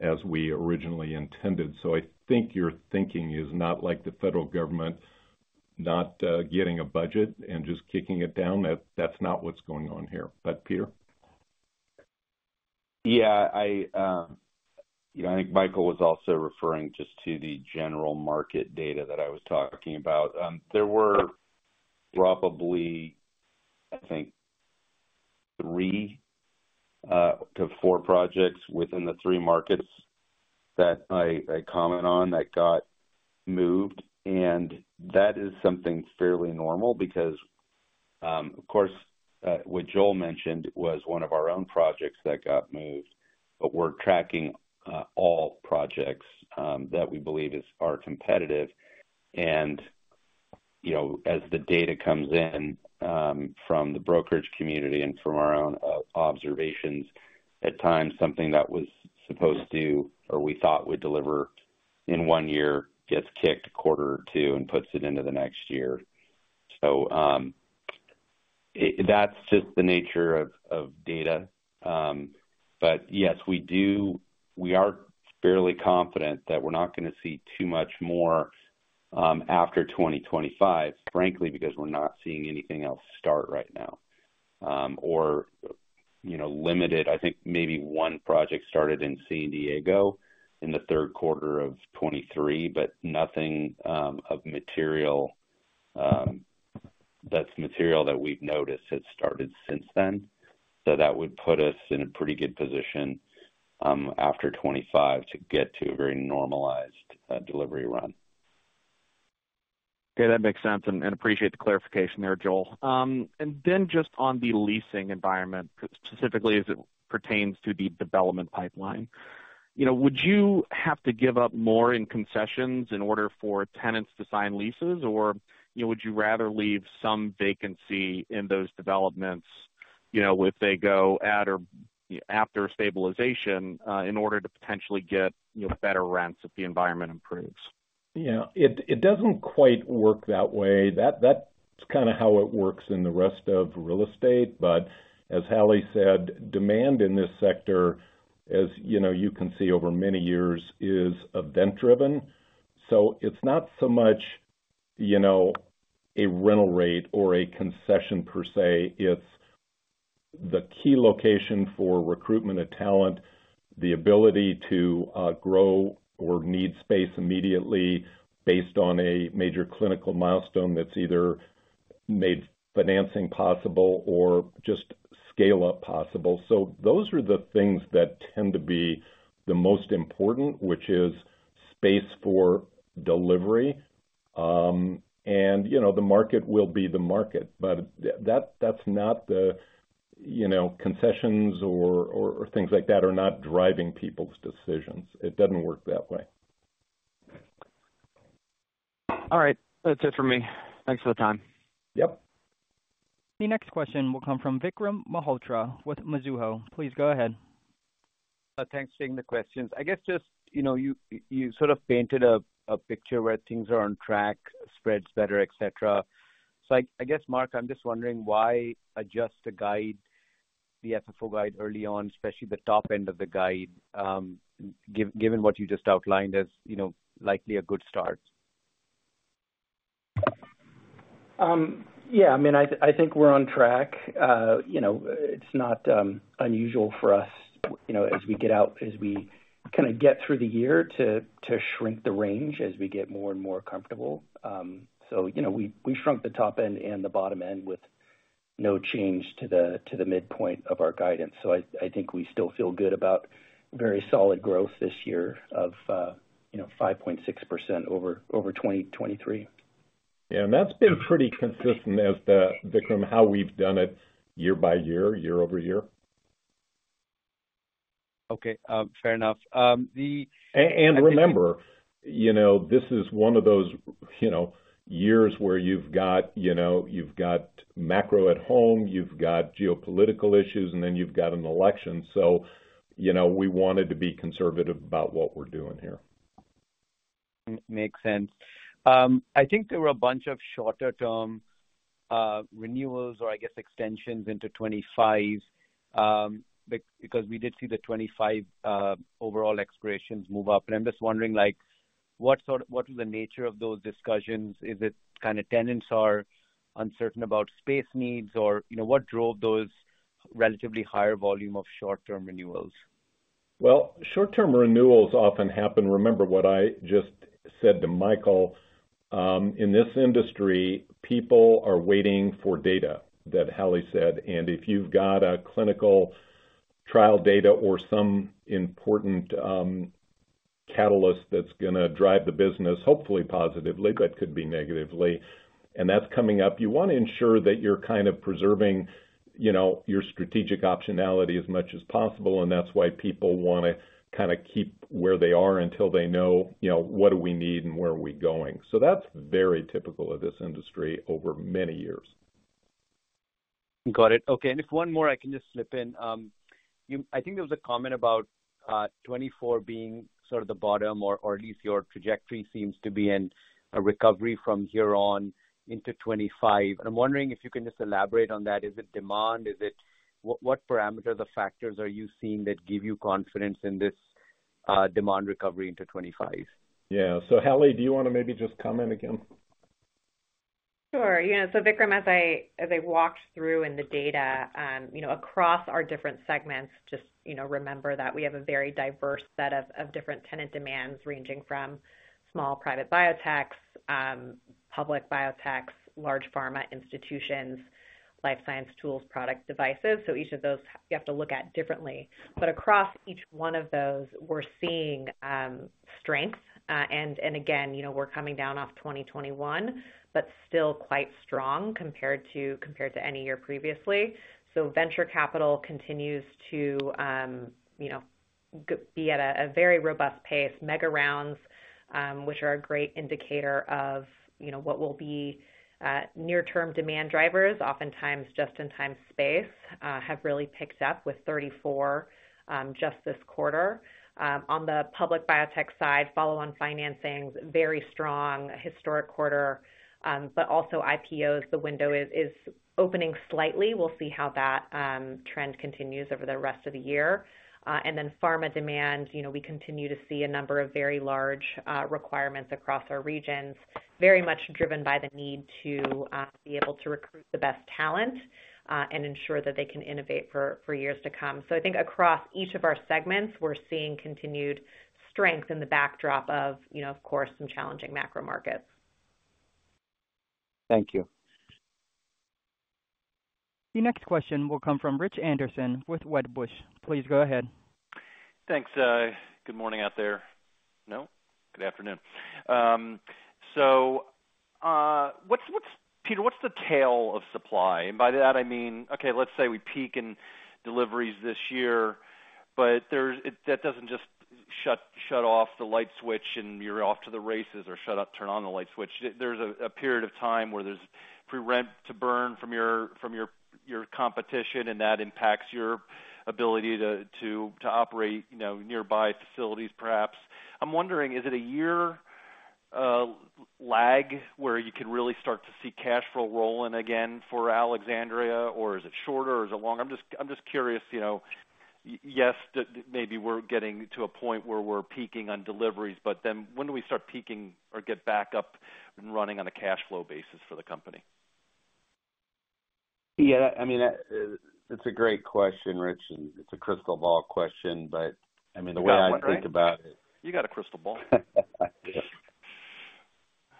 as we originally intended. So I think your thinking is not like the federal government, not getting a budget and just kicking it down. That's not what's going on here. But Peter. Yeah, I, you know, I think Michael was also referring just to the general market data that I was talking about. There were probably, I think, three to four projects within the three markets that I comment on that got moved, and that is something fairly normal because, of course, what Joel mentioned was one of our own projects that got moved, but we're tracking all projects that we believe are competitive. And, you know, as the data comes in from the brokerage community and from our own observations, at times, something that was supposed to, or we thought would deliver in one year, gets kicked a quarter or two and puts it into the next year. So, that's just the nature of data.... But yes, we do. We are fairly confident that we're not gonna see too much more, after 2025, frankly, because we're not seeing anything else start right now. Or, you know, limited, I think maybe one project started in San Diego in the third quarter of 2023, but nothing, of material, that's material that we've noticed has started since then. So that would put us in a pretty good position, after 2025 to get to a very normalized, delivery run. Okay, that makes sense, and appreciate the clarification there, Joel. And then just on the leasing environment, specifically as it pertains to the development pipeline. You know, would you have to give up more in concessions in order for tenants to sign leases? Or, you know, would you rather leave some vacancy in those developments, you know, if they go at or after stabilization, in order to potentially get, you know, better rents if the environment improves? Yeah, it doesn't quite work that way. That's kind of how it works in the rest of real estate, but as Hallie said, demand in this sector, as you know, you can see over many years, is event-driven. So it's not so much, you know, a rental rate or a concession per se, it's the key location for recruitment of talent, the ability to grow or need space immediately based on a major clinical milestone that's either made financing possible or just scale-up possible. So those are the things that tend to be the most important, which is space for delivery. And, you know, the market will be the market, but that's not the, you know, concessions or things like that are not driving people's decisions. It doesn't work that way. All right. That's it for me. Thanks for the time. Yep. The next question will come from Vikram Malhotra with Mizuho. Please go ahead. Thanks for taking the questions. I guess just, you know, you sort of painted a picture where things are on track, spreads better, et cetera. So I guess, Marc, I'm just wondering why adjust the guide, the FFO guide early on, especially the top end of the guide, given what you just outlined as, you know, likely a good start? Yeah, I mean, I think we're on track. You know, it's not unusual for us, you know, as we get out, as we kinda get through the year, to shrink the range as we get more and more comfortable. So, you know, we shrunk the top end and the bottom end with no change to the midpoint of our guidance. So I think we still feel good about very solid growth this year of, you know, 5.6% over 2023. Yeah, and that's been pretty consistent as the, Vikram, how we've done it year by year, year-over-year. Okay, fair enough. Remember, you know, this is one of those, you know, years where you've got, you know, you've got macro at home, you've got geopolitical issues, and then you've got an election. So, you know, we wanted to be conservative about what we're doing here. Makes sense. I think there were a bunch of shorter-term renewals or I guess, extensions into 2025, because we did see the 2025 overall expirations move up. And I'm just wondering, like, what is the nature of those discussions? Is it kind of tenants are uncertain about space needs, or, you know, what drove those relatively higher volume of short-term renewals? Well, short-term renewals often happen. Remember what I just said to Michael in this industry, people are waiting for data that Hallie said, and if you've got a clinical trial data or some important catalyst that's gonna drive the business, hopefully positively, but could be negatively, and that's coming up, you want to ensure that you're kind of preserving, you know, your strategic optionality as much as possible, and that's why people wanna kind of keep where they are until they know, you know, what do we need and where are we going. So that's very typical of this industry over many years. Got it. Okay, and if one more, I can just slip in. You, I think there was a comment about 2024 being sort of the bottom or, or at least your trajectory seems to be in a recovery from here on into 2025. And I'm wondering if you can just elaborate on that. Is it demand? Is it? What, what parameters or factors are you seeing that give you confidence in this demand recovery into 2025? Yeah. So, Hallie, do you want to maybe just comment again? Sure. Yeah, so, Vikram, as I walked through in the data, you know, across our different segments, just, you know, remember that we have a very diverse set of different tenant demands, ranging from small private biotechs, public biotechs, large pharma institutions, life science tools, product devices. So each of those you have to look at differently. But across each one of those, we're seeing strength, and again, you know, we're coming down off 2021, but still quite strong compared to any year previously. So venture capital continues to, you know, be at a very robust pace. Mega rounds, which are a great indicator of, you know, what will be near-term demand drivers, oftentimes just in time space, have really picked up with 34, just this quarter. On the public biotech side, follow-on financings, very strong historic quarter, but also IPOs, the window is opening slightly. We'll see how that trend continues over the rest of the year. And then pharma demand, you know, we continue to see a number of very large requirements across our regions, very much driven by the need to be able to recruit the best talent and ensure that they can innovate for years to come. So I think across each of our segments, we're seeing continued strength in the backdrop of, you know, of course, some challenging macro markets. ... Thank you. The next question will come from Rich Anderson with Wedbush. Please go ahead. Thanks, good morning out there. No? Good afternoon. So, what's Peter, what's the tail of supply? And by that I mean, okay, let's say we peak in deliveries this year, but there's that doesn't just shut off the light switch and you're off to the races or shut off, turn on the light switch. There's a period of time where there's free rent to burn from your competition, and that impacts your ability to operate, you know, nearby facilities, perhaps. I'm wondering, is it a year lag, where you can really start to see cash flow roll in again for Alexandria, or is it shorter or is it longer? I'm just, I'm just curious, you know, yes, maybe we're getting to a point where we're peaking on deliveries, but then when do we start peaking or get back up and running on a cash flow basis for the company? Yeah, I mean, it's a great question, Rich, and it's a crystal ball question, but, I mean, the way I think about it- You got a crystal ball.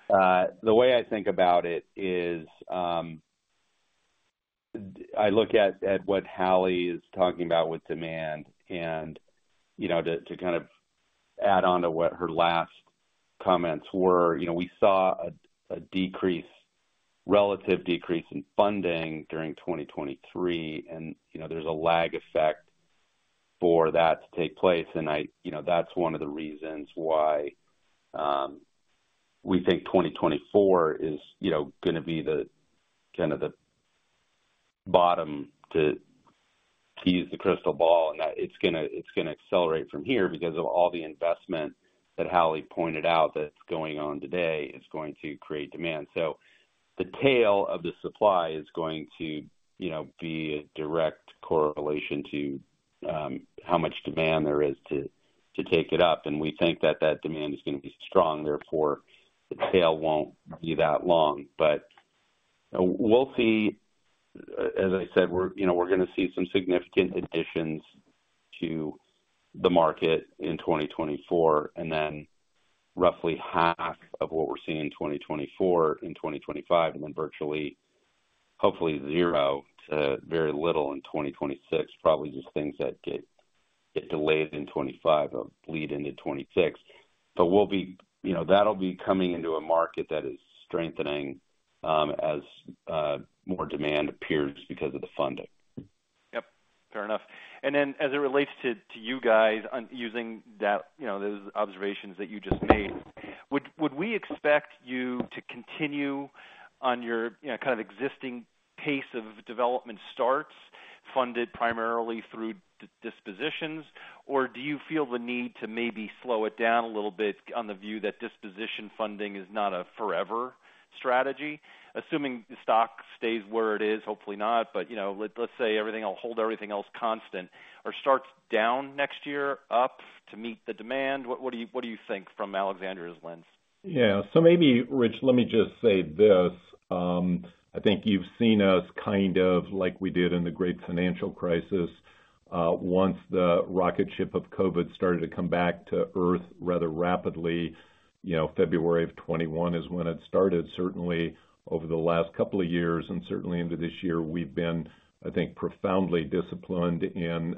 The way I think about it is, I look at what Hallie is talking about with demand and, you know, to kind of add on to what her last comments were. You know, we saw a relative decrease in funding during 2023, and, you know, there's a lag effect for that to take place. And I-- you know, that's one of the reasons why we think 2024 is, you know, gonna be the kind of the bottom, to use the crystal ball. And that it's gonna, it's gonna accelerate from here because of all the investment that Hallie pointed out that's going on today, is going to create demand. So the tail of the supply is going to, you know, be a direct correlation to how much demand there is to take it up. And we think that that demand is gonna be strong, therefore, the tail won't be that long. But we'll see. As I said, we're, you know, we're gonna see some significant additions to the market in 2024, and then roughly half of what we're seeing in 2024, in 2025, and then virtually, hopefully zero to very little in 2026. Probably just things that get delayed in 2025 or bleed into 2026. But we'll be, you know, that'll be coming into a market that is strengthening as more demand appears because of the funding. Yep, fair enough. And then, as it relates to you guys on using that, you know, those observations that you just made, would we expect you to continue on your, you know, kind of existing pace of development starts funded primarily through dispositions? Or do you feel the need to maybe slow it down a little bit on the view that disposition funding is not a forever strategy? Assuming the stock stays where it is, hopefully not, but, you know, let's say everything will hold everything else constant or starts down next year, up to meet the demand. What do you think from Alexandria's lens? Yeah. So maybe, Rich, let me just say this. I think you've seen us kind of like we did in the great financial crisis. Once the rocket ship of COVID started to come back to Earth rather rapidly, you know, February of 2021 is when it started. Certainly, over the last couple of years, and certainly into this year, we've been, I think, profoundly disciplined in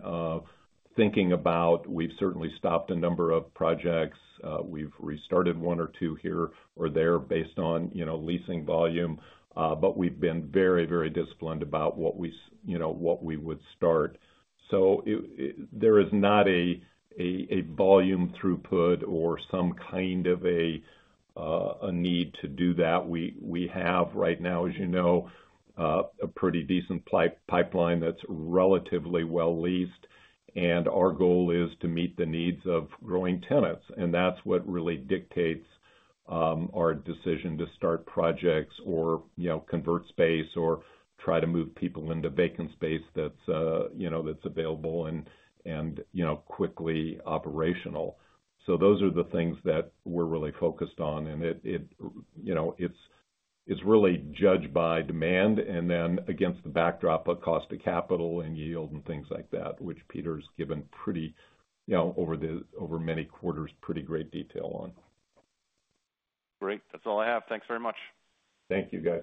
thinking about... We've certainly stopped a number of projects. We've restarted one or two here or there based on, you know, leasing volume. But we've been very, very disciplined about what we would start. So it, there is not a volume throughput or some kind of a need to do that. We have right now, as you know, a pretty decent pipeline that's relatively well leased, and our goal is to meet the needs of growing tenants, and that's what really dictates our decision to start projects or, you know, convert space or try to move people into vacant space that's, you know, that's available and, you know, quickly operational. So those are the things that we're really focused on, and it, you know, it's really judged by demand, and then against the backdrop of cost of capital and yield and things like that, which Peter's given pretty, you know, over many quarters, pretty great detail on. Great. That's all I have. Thanks very much. Thank you, guys.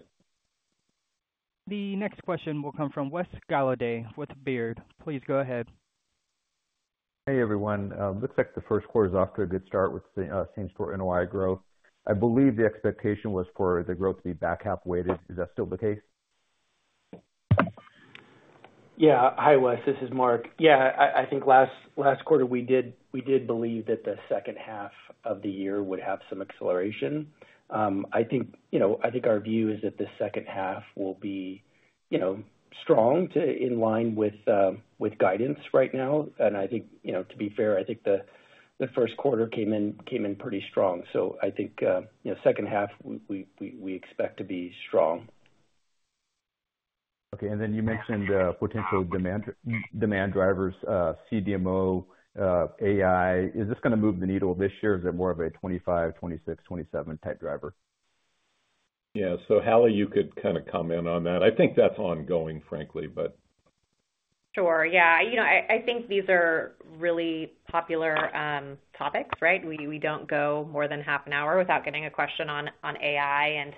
The next question will come from Wes Golladay with Baird. Please go ahead. Hey, everyone. Looks like the Q1 is off to a good start with same-store NOI growth. I believe the expectation was for the growth to be back-half weighted. Is that still the case? Yeah. Hi, Wes, this is Marc. Yeah, I think last quarter, we did believe that the second half of the year would have some acceleration. I think, you know, I think our view is that the second half will be, you know, strong, too in line with guidance right now. And I think, you know, to be fair, I think the Q1 came in pretty strong. So I think, you know, second half, we expect to be strong. Okay. And then you mentioned, potential demand, demand drivers, CDMO, AI. Is this gonna move the needle this year, or is it more of a 25, 26, 27 type driver? Yeah. So, Hallie, you could kind of comment on that. I think that's ongoing, frankly, but- ... Sure. Yeah, you know, I think these are really popular topics, right? We don't go more than half an hour without getting a question on AI and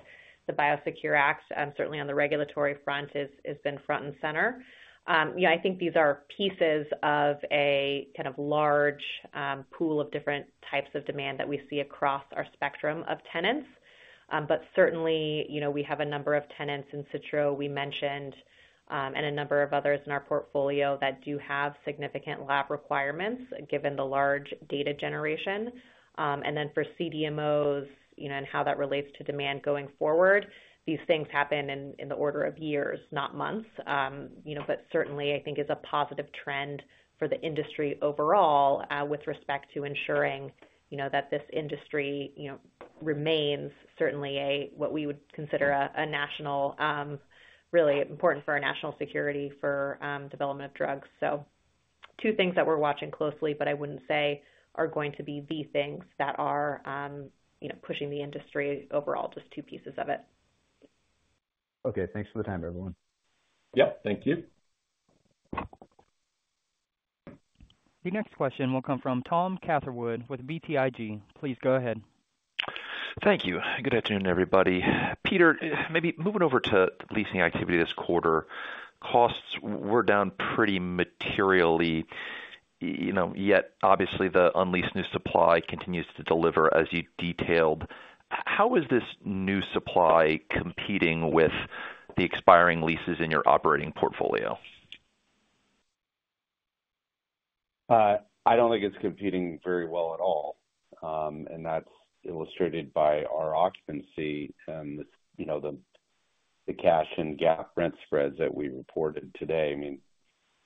the BioSecure Act, certainly on the regulatory front, has been front and center. Yeah, I think these are pieces of a kind of large pool of different types of demand that we see across our spectrum of tenants. But certainly, you know, we have a number of tenants in Insitro, we mentioned, and a number of others in our portfolio that do have significant lab requirements, given the large data generation. And then for CDMOs, you know, and how that relates to demand going forward, these things happen in the order of years, not months. You know, but certainly, I think is a positive trend for the industry overall, with respect to ensuring, you know, that this industry, you know, remains certainly a, what we would consider a, a national, really important for our national security, for, development of drugs. So two things that we're watching closely, but I wouldn't say are going to be the things that are, you know, pushing the industry overall, just two pieces of it. Okay, thanks for the time, everyone. Yep, thank you. Your next question will come from Tom Catherwood with BTIG. Please go ahead. Thank you. Good afternoon, everybody. Peter, maybe moving over to leasing activity this quarter, costs were down pretty materially, you know, yet obviously, the unleased new supply continues to deliver as you detailed. How is this new supply competing with the expiring leases in your operating portfolio? I don't think it's competing very well at all. And that's illustrated by our occupancy and, you know, the cash and GAAP rent spreads that we reported today. I mean,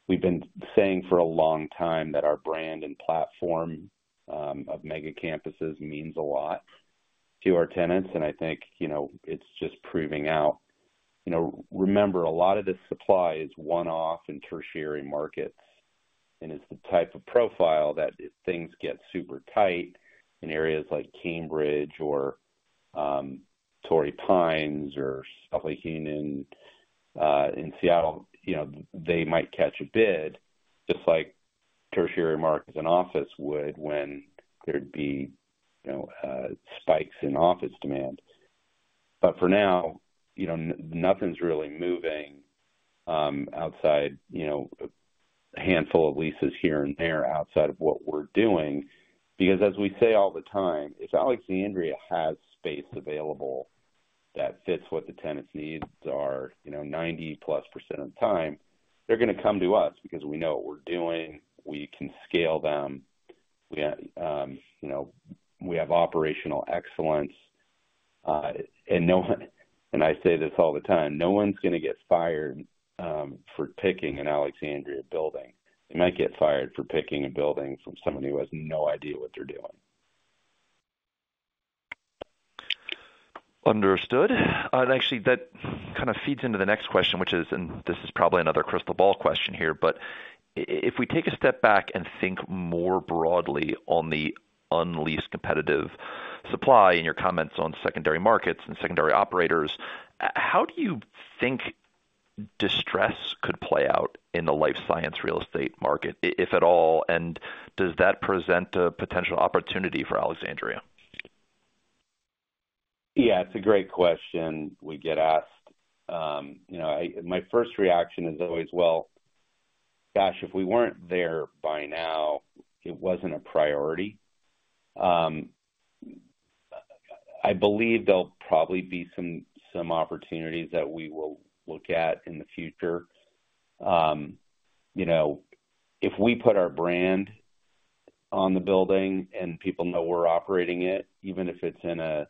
we've been saying for a long time that our brand and platform of mega campuses means a lot to our tenants, and I think, you know, it's just proving out. You know, remember, a lot of this supply is one-off in tertiary markets, and it's the type of profile that if things get super tight in areas like Cambridge or Torrey Pines or South Lake Union in Seattle, you know, they might catch a bid, just like tertiary markets and office would when there'd be, you know, spikes in office demand. But for now, you know, nothing's really moving outside, you know, a handful of leases here and there outside of what we're doing. Because as we say all the time, if Alexandria has space available that fits what the tenants needs are, you know, 90%+ of the time, they're going to come to us because we know what we're doing, we can scale them, we have, you know, we have operational excellence, and no one, and I say this all the time, no one's going to get fired for picking an Alexandria building. They might get fired for picking a building from somebody who has no idea what they're doing. Understood. Actually, that kind of feeds into the next question, which is, and this is probably another crystal ball question here, but if we take a step back and think more broadly on the unleased competitive supply in your comments on secondary markets and secondary operators, how do you think distress could play out in the life science real estate market, if at all? And does that present a potential opportunity for Alexandria? Yeah, it's a great question we get asked. You know, my first reaction is always: Well, gosh, if we weren't there by now, it wasn't a priority. I believe there'll probably be some opportunities that we will look at in the future. You know, if we put our brand on the building and people know we're operating it, even if it's in a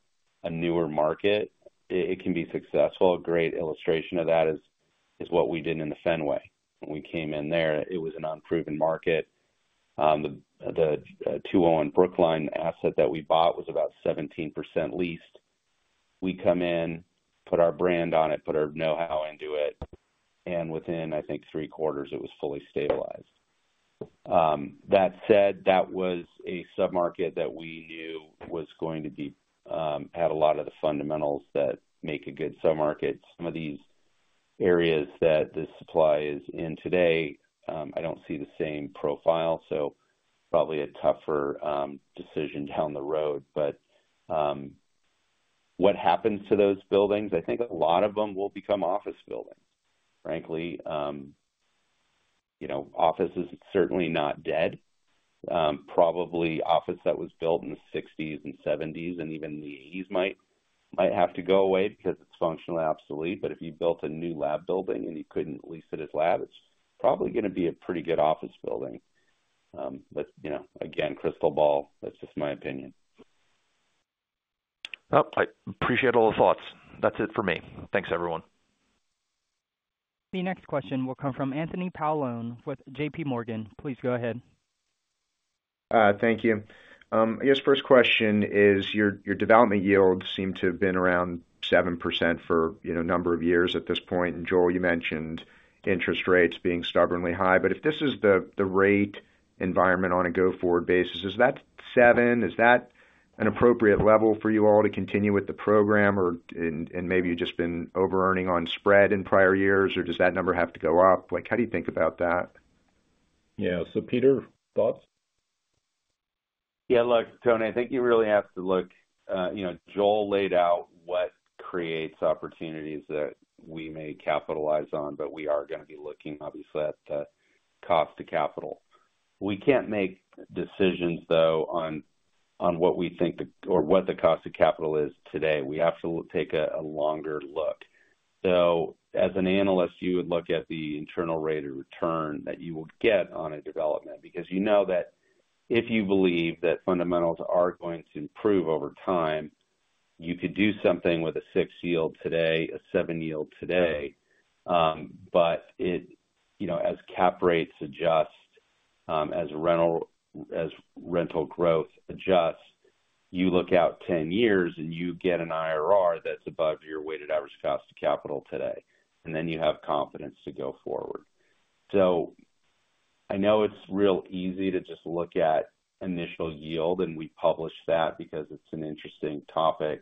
newer market, it can be successful. A great illustration of that is what we did in the Fenway. When we came in there, it was an unproven market. The 201 Brookline asset that we bought was about 17% leased. We come in, put our brand on it, put our know-how into it, and within, I think, three quarters, it was fully stabilized. That said, that was a submarket that we knew was going to be have a lot of the fundamentals that make a good submarket. Some of these areas that this supply is in today, I don't see the same profile, so probably a tougher decision down the road. But what happens to those buildings? I think a lot of them will become office buildings, frankly. You know, office is certainly not dead. Probably office that was built in the sixties and seventies and even the eighties might, might have to go away because it's functionally obsolete, but if you built a new lab building and you couldn't lease it as lab, it's probably going to be a pretty good office building. But you know, again, crystal ball, that's just my opinion. Well, I appreciate all the thoughts. That's it for me. Thanks, everyone. The next question will come from Anthony Paolone with JPMorgan. Please go ahead. Thank you. I guess first question is, your, your development yields seem to have been around 7% for, you know, a number of years at this point. And Joel, you mentioned interest rates being stubbornly high, but if this is the, the rate environment on a go-forward basis, is that 7? Is that an appropriate level for you all to continue with the program? Or, maybe you've just been overearning on spread in prior years, or does that number have to go up? Like, how do you think about that? Yeah. So, Peter, thoughts?... Yeah, look, Tony, I think you really have to look, you know, Joel laid out what creates opportunities that we may capitalize on, but we are going to be looking, obviously, at cost of capital. We can't make decisions, though, on what we think the-- or what the cost of capital is today. We have to take a longer look. So as an analyst, you would look at the internal rate of return that you would get on a development, because you know that if you believe that fundamentals are going to improve over time, you could do something with a 6 yield today, a 7 yield today. But it, you know, as cap rates adjust, as rental, as rental growth adjusts, you look out 10 years and you get an IRR that's above your weighted average cost of capital today, and then you have confidence to go forward. So I know it's real easy to just look at initial yield, and we publish that because it's an interesting topic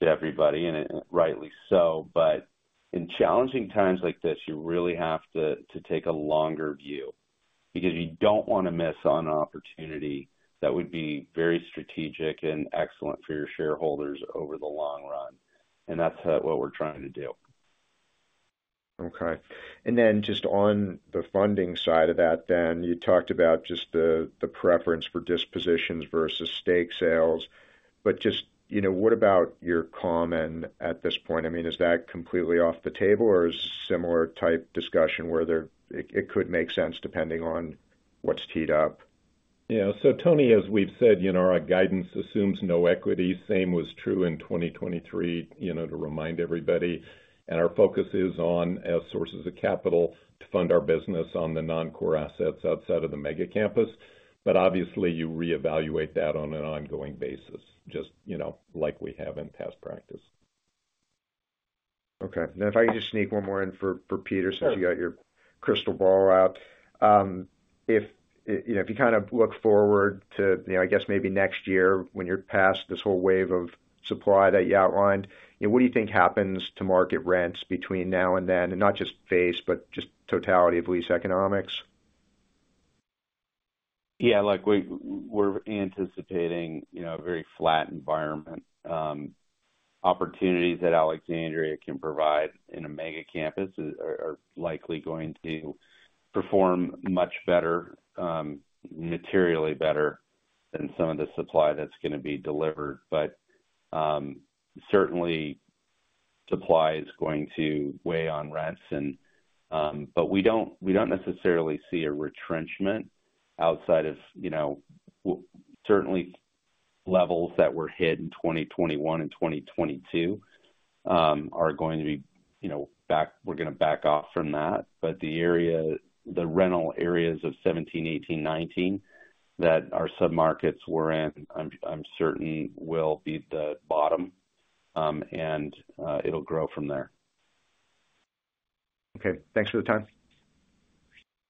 to everybody, and rightly so. But in challenging times like this, you really have to, to take a longer view because you don't want to miss on an opportunity that would be very strategic and excellent for your shareholders over the long run, and that's what we're trying to do. Okay. And then just on the funding side of that, then, you talked about just the preference for dispositions versus stake sales. But just, you know, what about your common at this point? I mean, is that completely off the table or is it a similar type discussion where it could make sense depending on what's teed up? Yeah. So, Tony, as we've said, you know, our guidance assumes no equity. Same was true in 2023, you know, to remind everybody, and our focus is on as sources of capital to fund our business on the non-core assets outside of the mega campus. But obviously, you reevaluate that on an ongoing basis, just, you know, like we have in past practice. Okay. Now, if I could just sneak one more in for Peter, since you got your crystal ball out. If you know, if you kind of look forward to, you know, I guess maybe next year when you're past this whole wave of supply that you outlined, you know, what do you think happens to market rents between now and then? And not just base, but just totality of lease economics. Yeah, look, we're anticipating, you know, a very flat environment. Opportunities that Alexandria can provide in a mega campus are likely going to perform much better, materially better than some of the supply that's going to be delivered. But certainly supply is going to weigh on rents and... But we don't necessarily see a retrenchment outside of, you know, certainly levels that were hit in 2021 and 2022 are going to be, you know, back-- we're going to back off from that. But the area, the rental areas of 17, 18, 19 that our subMarcets were in, I'm certain will be the bottom, and it'll grow from there. Okay, thanks for the time.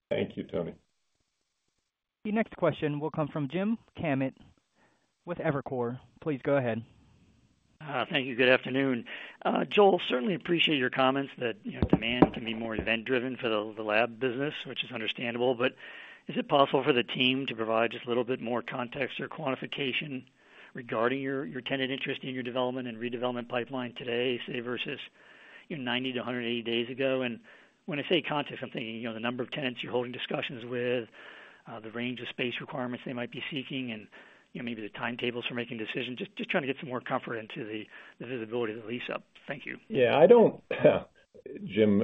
Thank you, Tony. The next question will come from James Kammert with Evercore. Please go ahead. Thank you. Good afternoon. Joel, certainly appreciate your comments that, you know, demand can be more event driven for the lab business, which is understandable. But is it possible for the team to provide just a little bit more context or quantification regarding your tenant interest in your development and redevelopment pipeline today, say, versus, you know, 90-180 days ago? And when I say context, I'm thinking, you know, the number of tenants you're holding discussions with, the range of space requirements they might be seeking and, you know, maybe the timetables for making decisions. Just trying to get some more comfort into the visibility of the lease-up. Thank you. Yeah, I don't, Jim,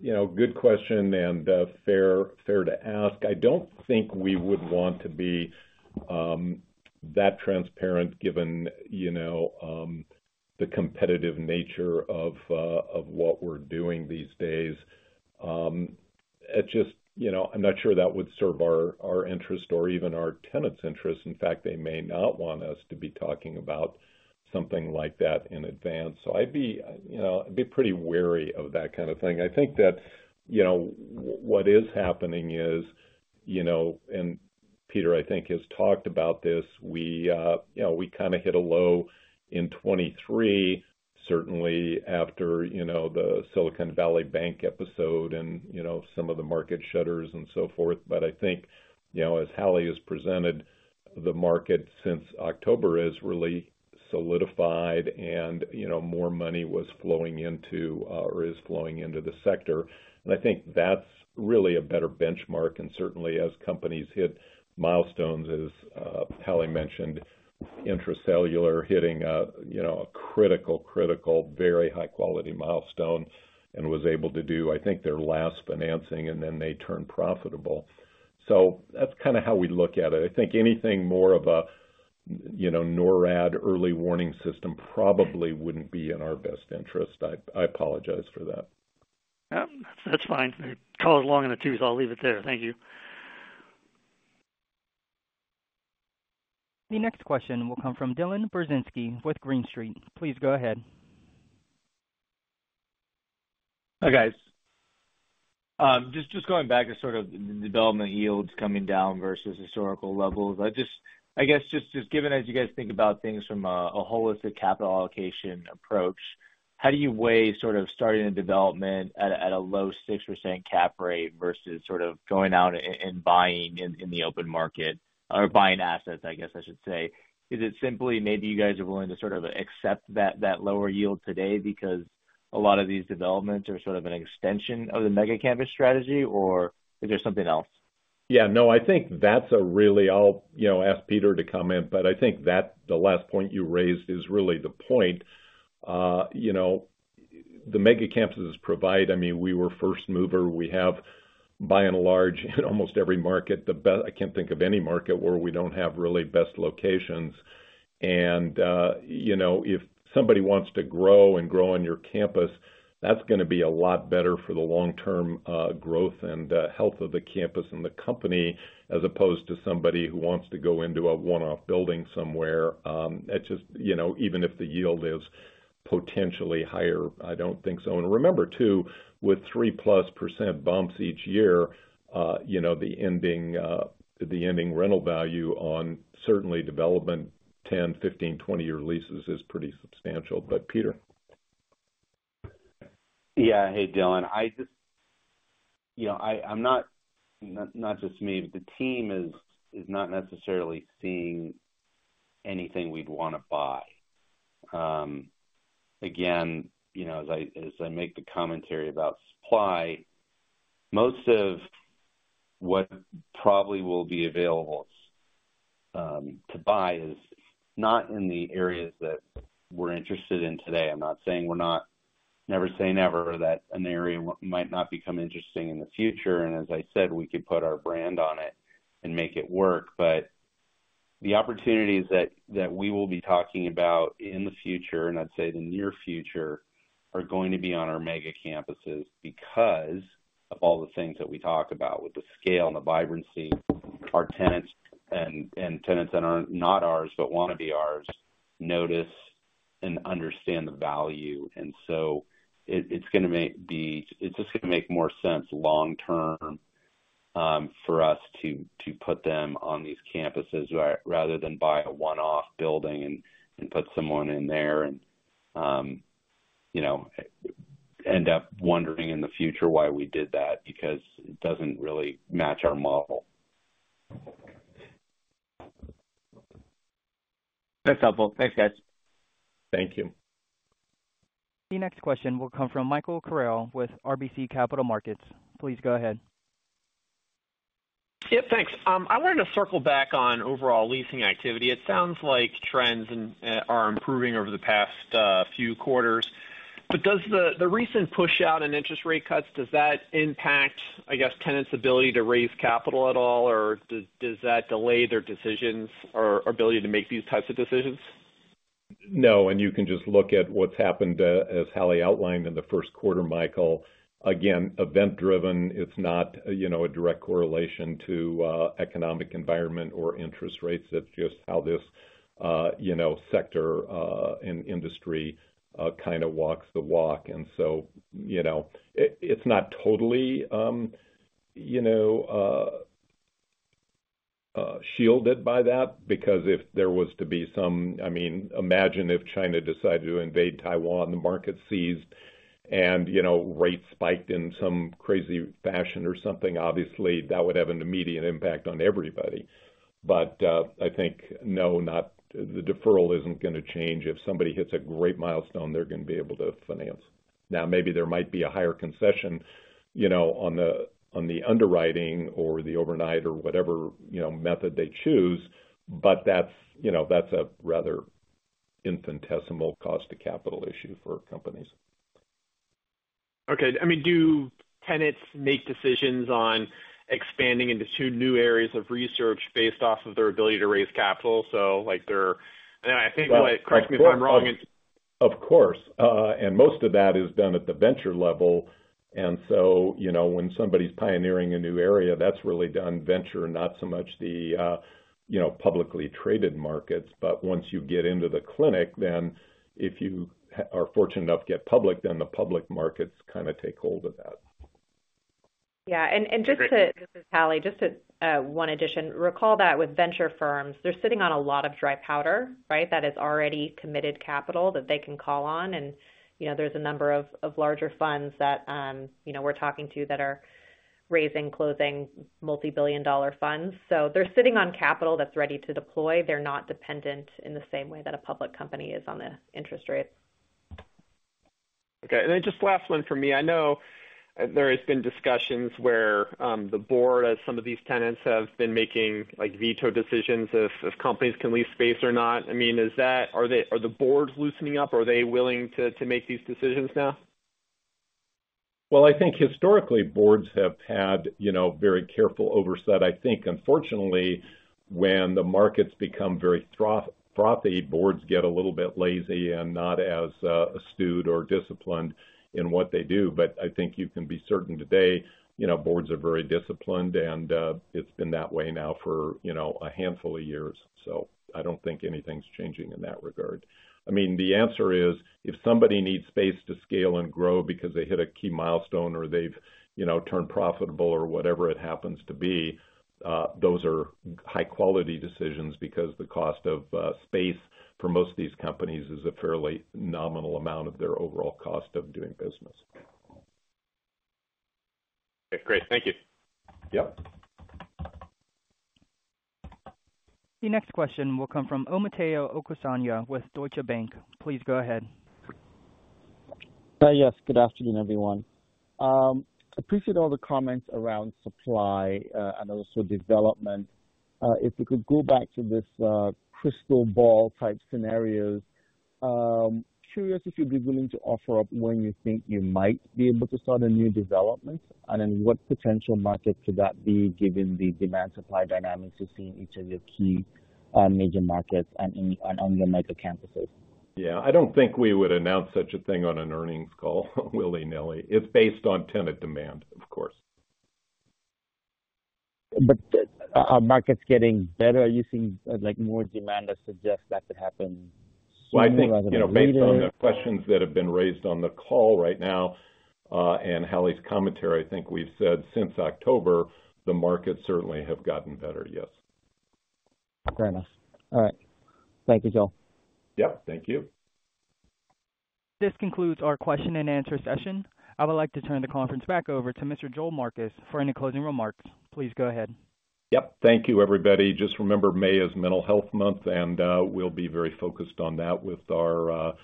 you know, good question, and, fair, fair to ask. I don't think we would want to be that transparent, given, you know, the competitive nature of of what we're doing these days. It just, you know, I'm not sure that would serve our our interest or even our tenants' interest. In fact, they may not want us to be talking about something like that in advance. So I'd be, you know, I'd be pretty wary of that kind of thing. I think that, you know, what is happening is, you know, and Peter, I think, has talked about this, we, you know, we kind of hit a low in 2023, certainly after, you know, the Silicon Valley Bank episode and, you know, some of the market shudders and so forth. But I think, you know, as Hallie has presented, the market since October has really solidified and, you know, more money was flowing into, or is flowing into the sector. And I think that's really a better benchmark. And certainly as companies hit milestones, as Hallie mentioned, Intra-Cellular hitting a, you know, a critical, critical, very high quality milestone and was able to do, I think, their last financing, and then they turned profitable. So that's kind of how we look at it. I think anything more of a, you know, NORAD early warning system probably wouldn't be in our best interest. I apologize for that. Yeah, that's fine. Call it long in the tooth. I'll leave it there. Thank you. The next question will come from Dylan Brzezinski with Green Street. Please go ahead. Hi, guys. Just going back to sort of the development yields coming down versus historical levels. I guess just given, as you guys think about things from a holistic capital allocation approach... How do you weigh sort of starting a development at a low 6% cap rate versus sort of going out and buying in the open market or buying assets, I guess I should say? Is it simply maybe you guys are willing to sort of accept that lower yield today because a lot of these developments are sort of an extension of the mega campus strategy, or is there something else? Yeah, no, I think that's a really—I'll, you know, ask Peter to comment, but I think that the last point you raised is really the point. You know, the mega campuses provide... I mean, we were first mover. We have, by and large, in almost every Marcet, the best—I can't think of any Marcet where we don't have really best locations. And, you know, if somebody wants to grow and grow on your campus, that's gonna be a lot better for the long-term growth and health of the campus and the company, as opposed to somebody who wants to go into a one-off building somewhere. It's just, you know, even if the yield is potentially higher, I don't think so. Remember, too, with 3%+ bumps each year, you know, the ending, the ending rental value on certainly development 10-, 15-, 20-year leases is pretty substantial. But Peter? Yeah. Hey, Dylan, I just... You know, I'm not just me, but the team is not necessarily seeing anything we'd wanna buy. Again, you know, as I make the commentary about supply, most of what probably will be available to buy is not in the areas that we're interested in today. I'm not saying we're not, never say never, that an area might not become interesting in the future, and as I said, we could put our brand on it and make it work. But the opportunities that we will be talking about in the future, and I'd say the near future, are going to be on our mega campuses because of all the things that we talked about, with the scale and the vibrancy, our tenants and tenants that are not ours, but wanna be ours, notice and understand the value. And so it, it's gonna make the—it's just gonna make more sense long term, for us to put them on these campuses rather than buy a one-off building and put someone in there and, you know, end up wondering in the future why we did that, because it doesn't really match our model. That's helpful. Thanks, guys. Thank you. The next question will come from Michael Carroll with RBC Capital Markets. Please go ahead. Yeah, thanks. I wanted to circle back on overall leasing activity. It sounds like trends are improving over the past few quarters, but does the recent push out in interest rate cuts impact, I guess, tenants' ability to raise capital at all, or does that delay their decisions or ability to make these types of decisions? No, and you can just look at what's happened, as Hallie outlined in the Q1, Michael. Again, event-driven, it's not, you know, a direct correlation to, economic environment or interest rates. That's just how this, you know, sector, and industry, kind of walks the walk. And so, you know, it, it's not totally, you know, shielded by that, because if there was to be some... I mean, imagine if China decided to invade Taiwan, the market seized and, you know, rates spiked in some crazy fashion or something. Obviously, that would have an immediate impact on everybody. But, I think, no, not-- the deferral isn't gonna change. If somebody hits a great milestone, they're gonna be able to finance. Now, maybe there might be a higher concession, you know, on the underwriting or the overnight or whatever, you know, method they choose, but that's, you know, that's a rather infinitesimal cost to capital issue for companies. Okay. I mean, do tenants make decisions on expanding into two new areas of research based off of their ability to raise capital? So, like, they're... And I think, correct me if I'm wrong, it's- Of course, and most of that is done at the venture level. And so, you know, when somebody's pioneering a new area, that's really done venture, not so much the, you know, publicly traded markets. But once you get into the clinic, then if you are fortunate enough to get public, then the public markets kind of take hold of that. Yeah, and just to... This is Hallie. Just to, one addition. Recall that with venture firms, they're sitting on a lot of dry powder, right? That is already committed capital that they can call on, and, you know, there's a number of larger funds that, you know, we're talking to that are raising, closing multibillion-dollar funds. So they're sitting on capital that's ready to deploy. They're not dependent in the same way that a public company is on the interest rate. Okay, and then just last one from me. I know there has been discussions where, the board, as some of these tenants have been making, like, veto decisions if companies can lease space or not. I mean, is that— are they, are the boards loosening up? Are they willing to make these decisions now? Well, I think historically, boards have had, you know, very careful oversight. I think unfortunately, when the markets become very frothy, boards get a little bit lazy and not as astute or disciplined in what they do. But I think you can be certain today, you know, boards are very disciplined, and it's been that way now for, you know, a handful of years. So I don't think anything's changing in that regard. I mean, the answer is, if somebody needs space to scale and grow because they hit a key milestone or they've, you know, turned profitable or whatever it happens to be, those are high-quality decisions because the cost of space for most of these companies is a fairly nominal amount of their overall cost of doing business. Okay, great. Thank you. Yep. The next question will come from Omotayo Okusanya with Deutsche Bank. Please go ahead. Yes, good afternoon, everyone. Appreciate all the comments around supply, and also development. If you could go back to this, crystal ball-type scenarios, curious if you'd be willing to offer up when you think you might be able to start a new development? And then, what potential market could that be, given the demand-supply dynamics you've seen in each of your key, major Marcets and in, and on the mega campuses? Yeah, I don't think we would announce such a thing on an Earnings Call willy-nilly. It's based on tenant demand, of course. But are Marcets getting better? Are you seeing, like, more demand that suggests that could happen sooner rather than later? Well, I think, you know, based on the questions that have been raised on the call right now, and Hallie's commentary, I think we've said since October, the markets certainly have gotten better, yes. Fair enough. All right. Thank you, Joel. Yep, thank you. This concludes our question and answer session. I would like to turn the conference back over to Mr. Joel Marcus for any closing remarks. Please go ahead. Yep. Thank you, everybody. Just remember, May is Mental Health Month, and we'll be very focused on that with our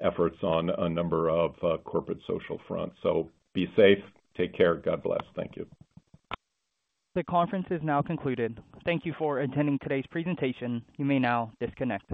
efforts on a number of corporate social fronts. So be safe, take care, God bless. Thank you. The conference is now concluded. Thank you for attending today's presentation. You may now disconnect.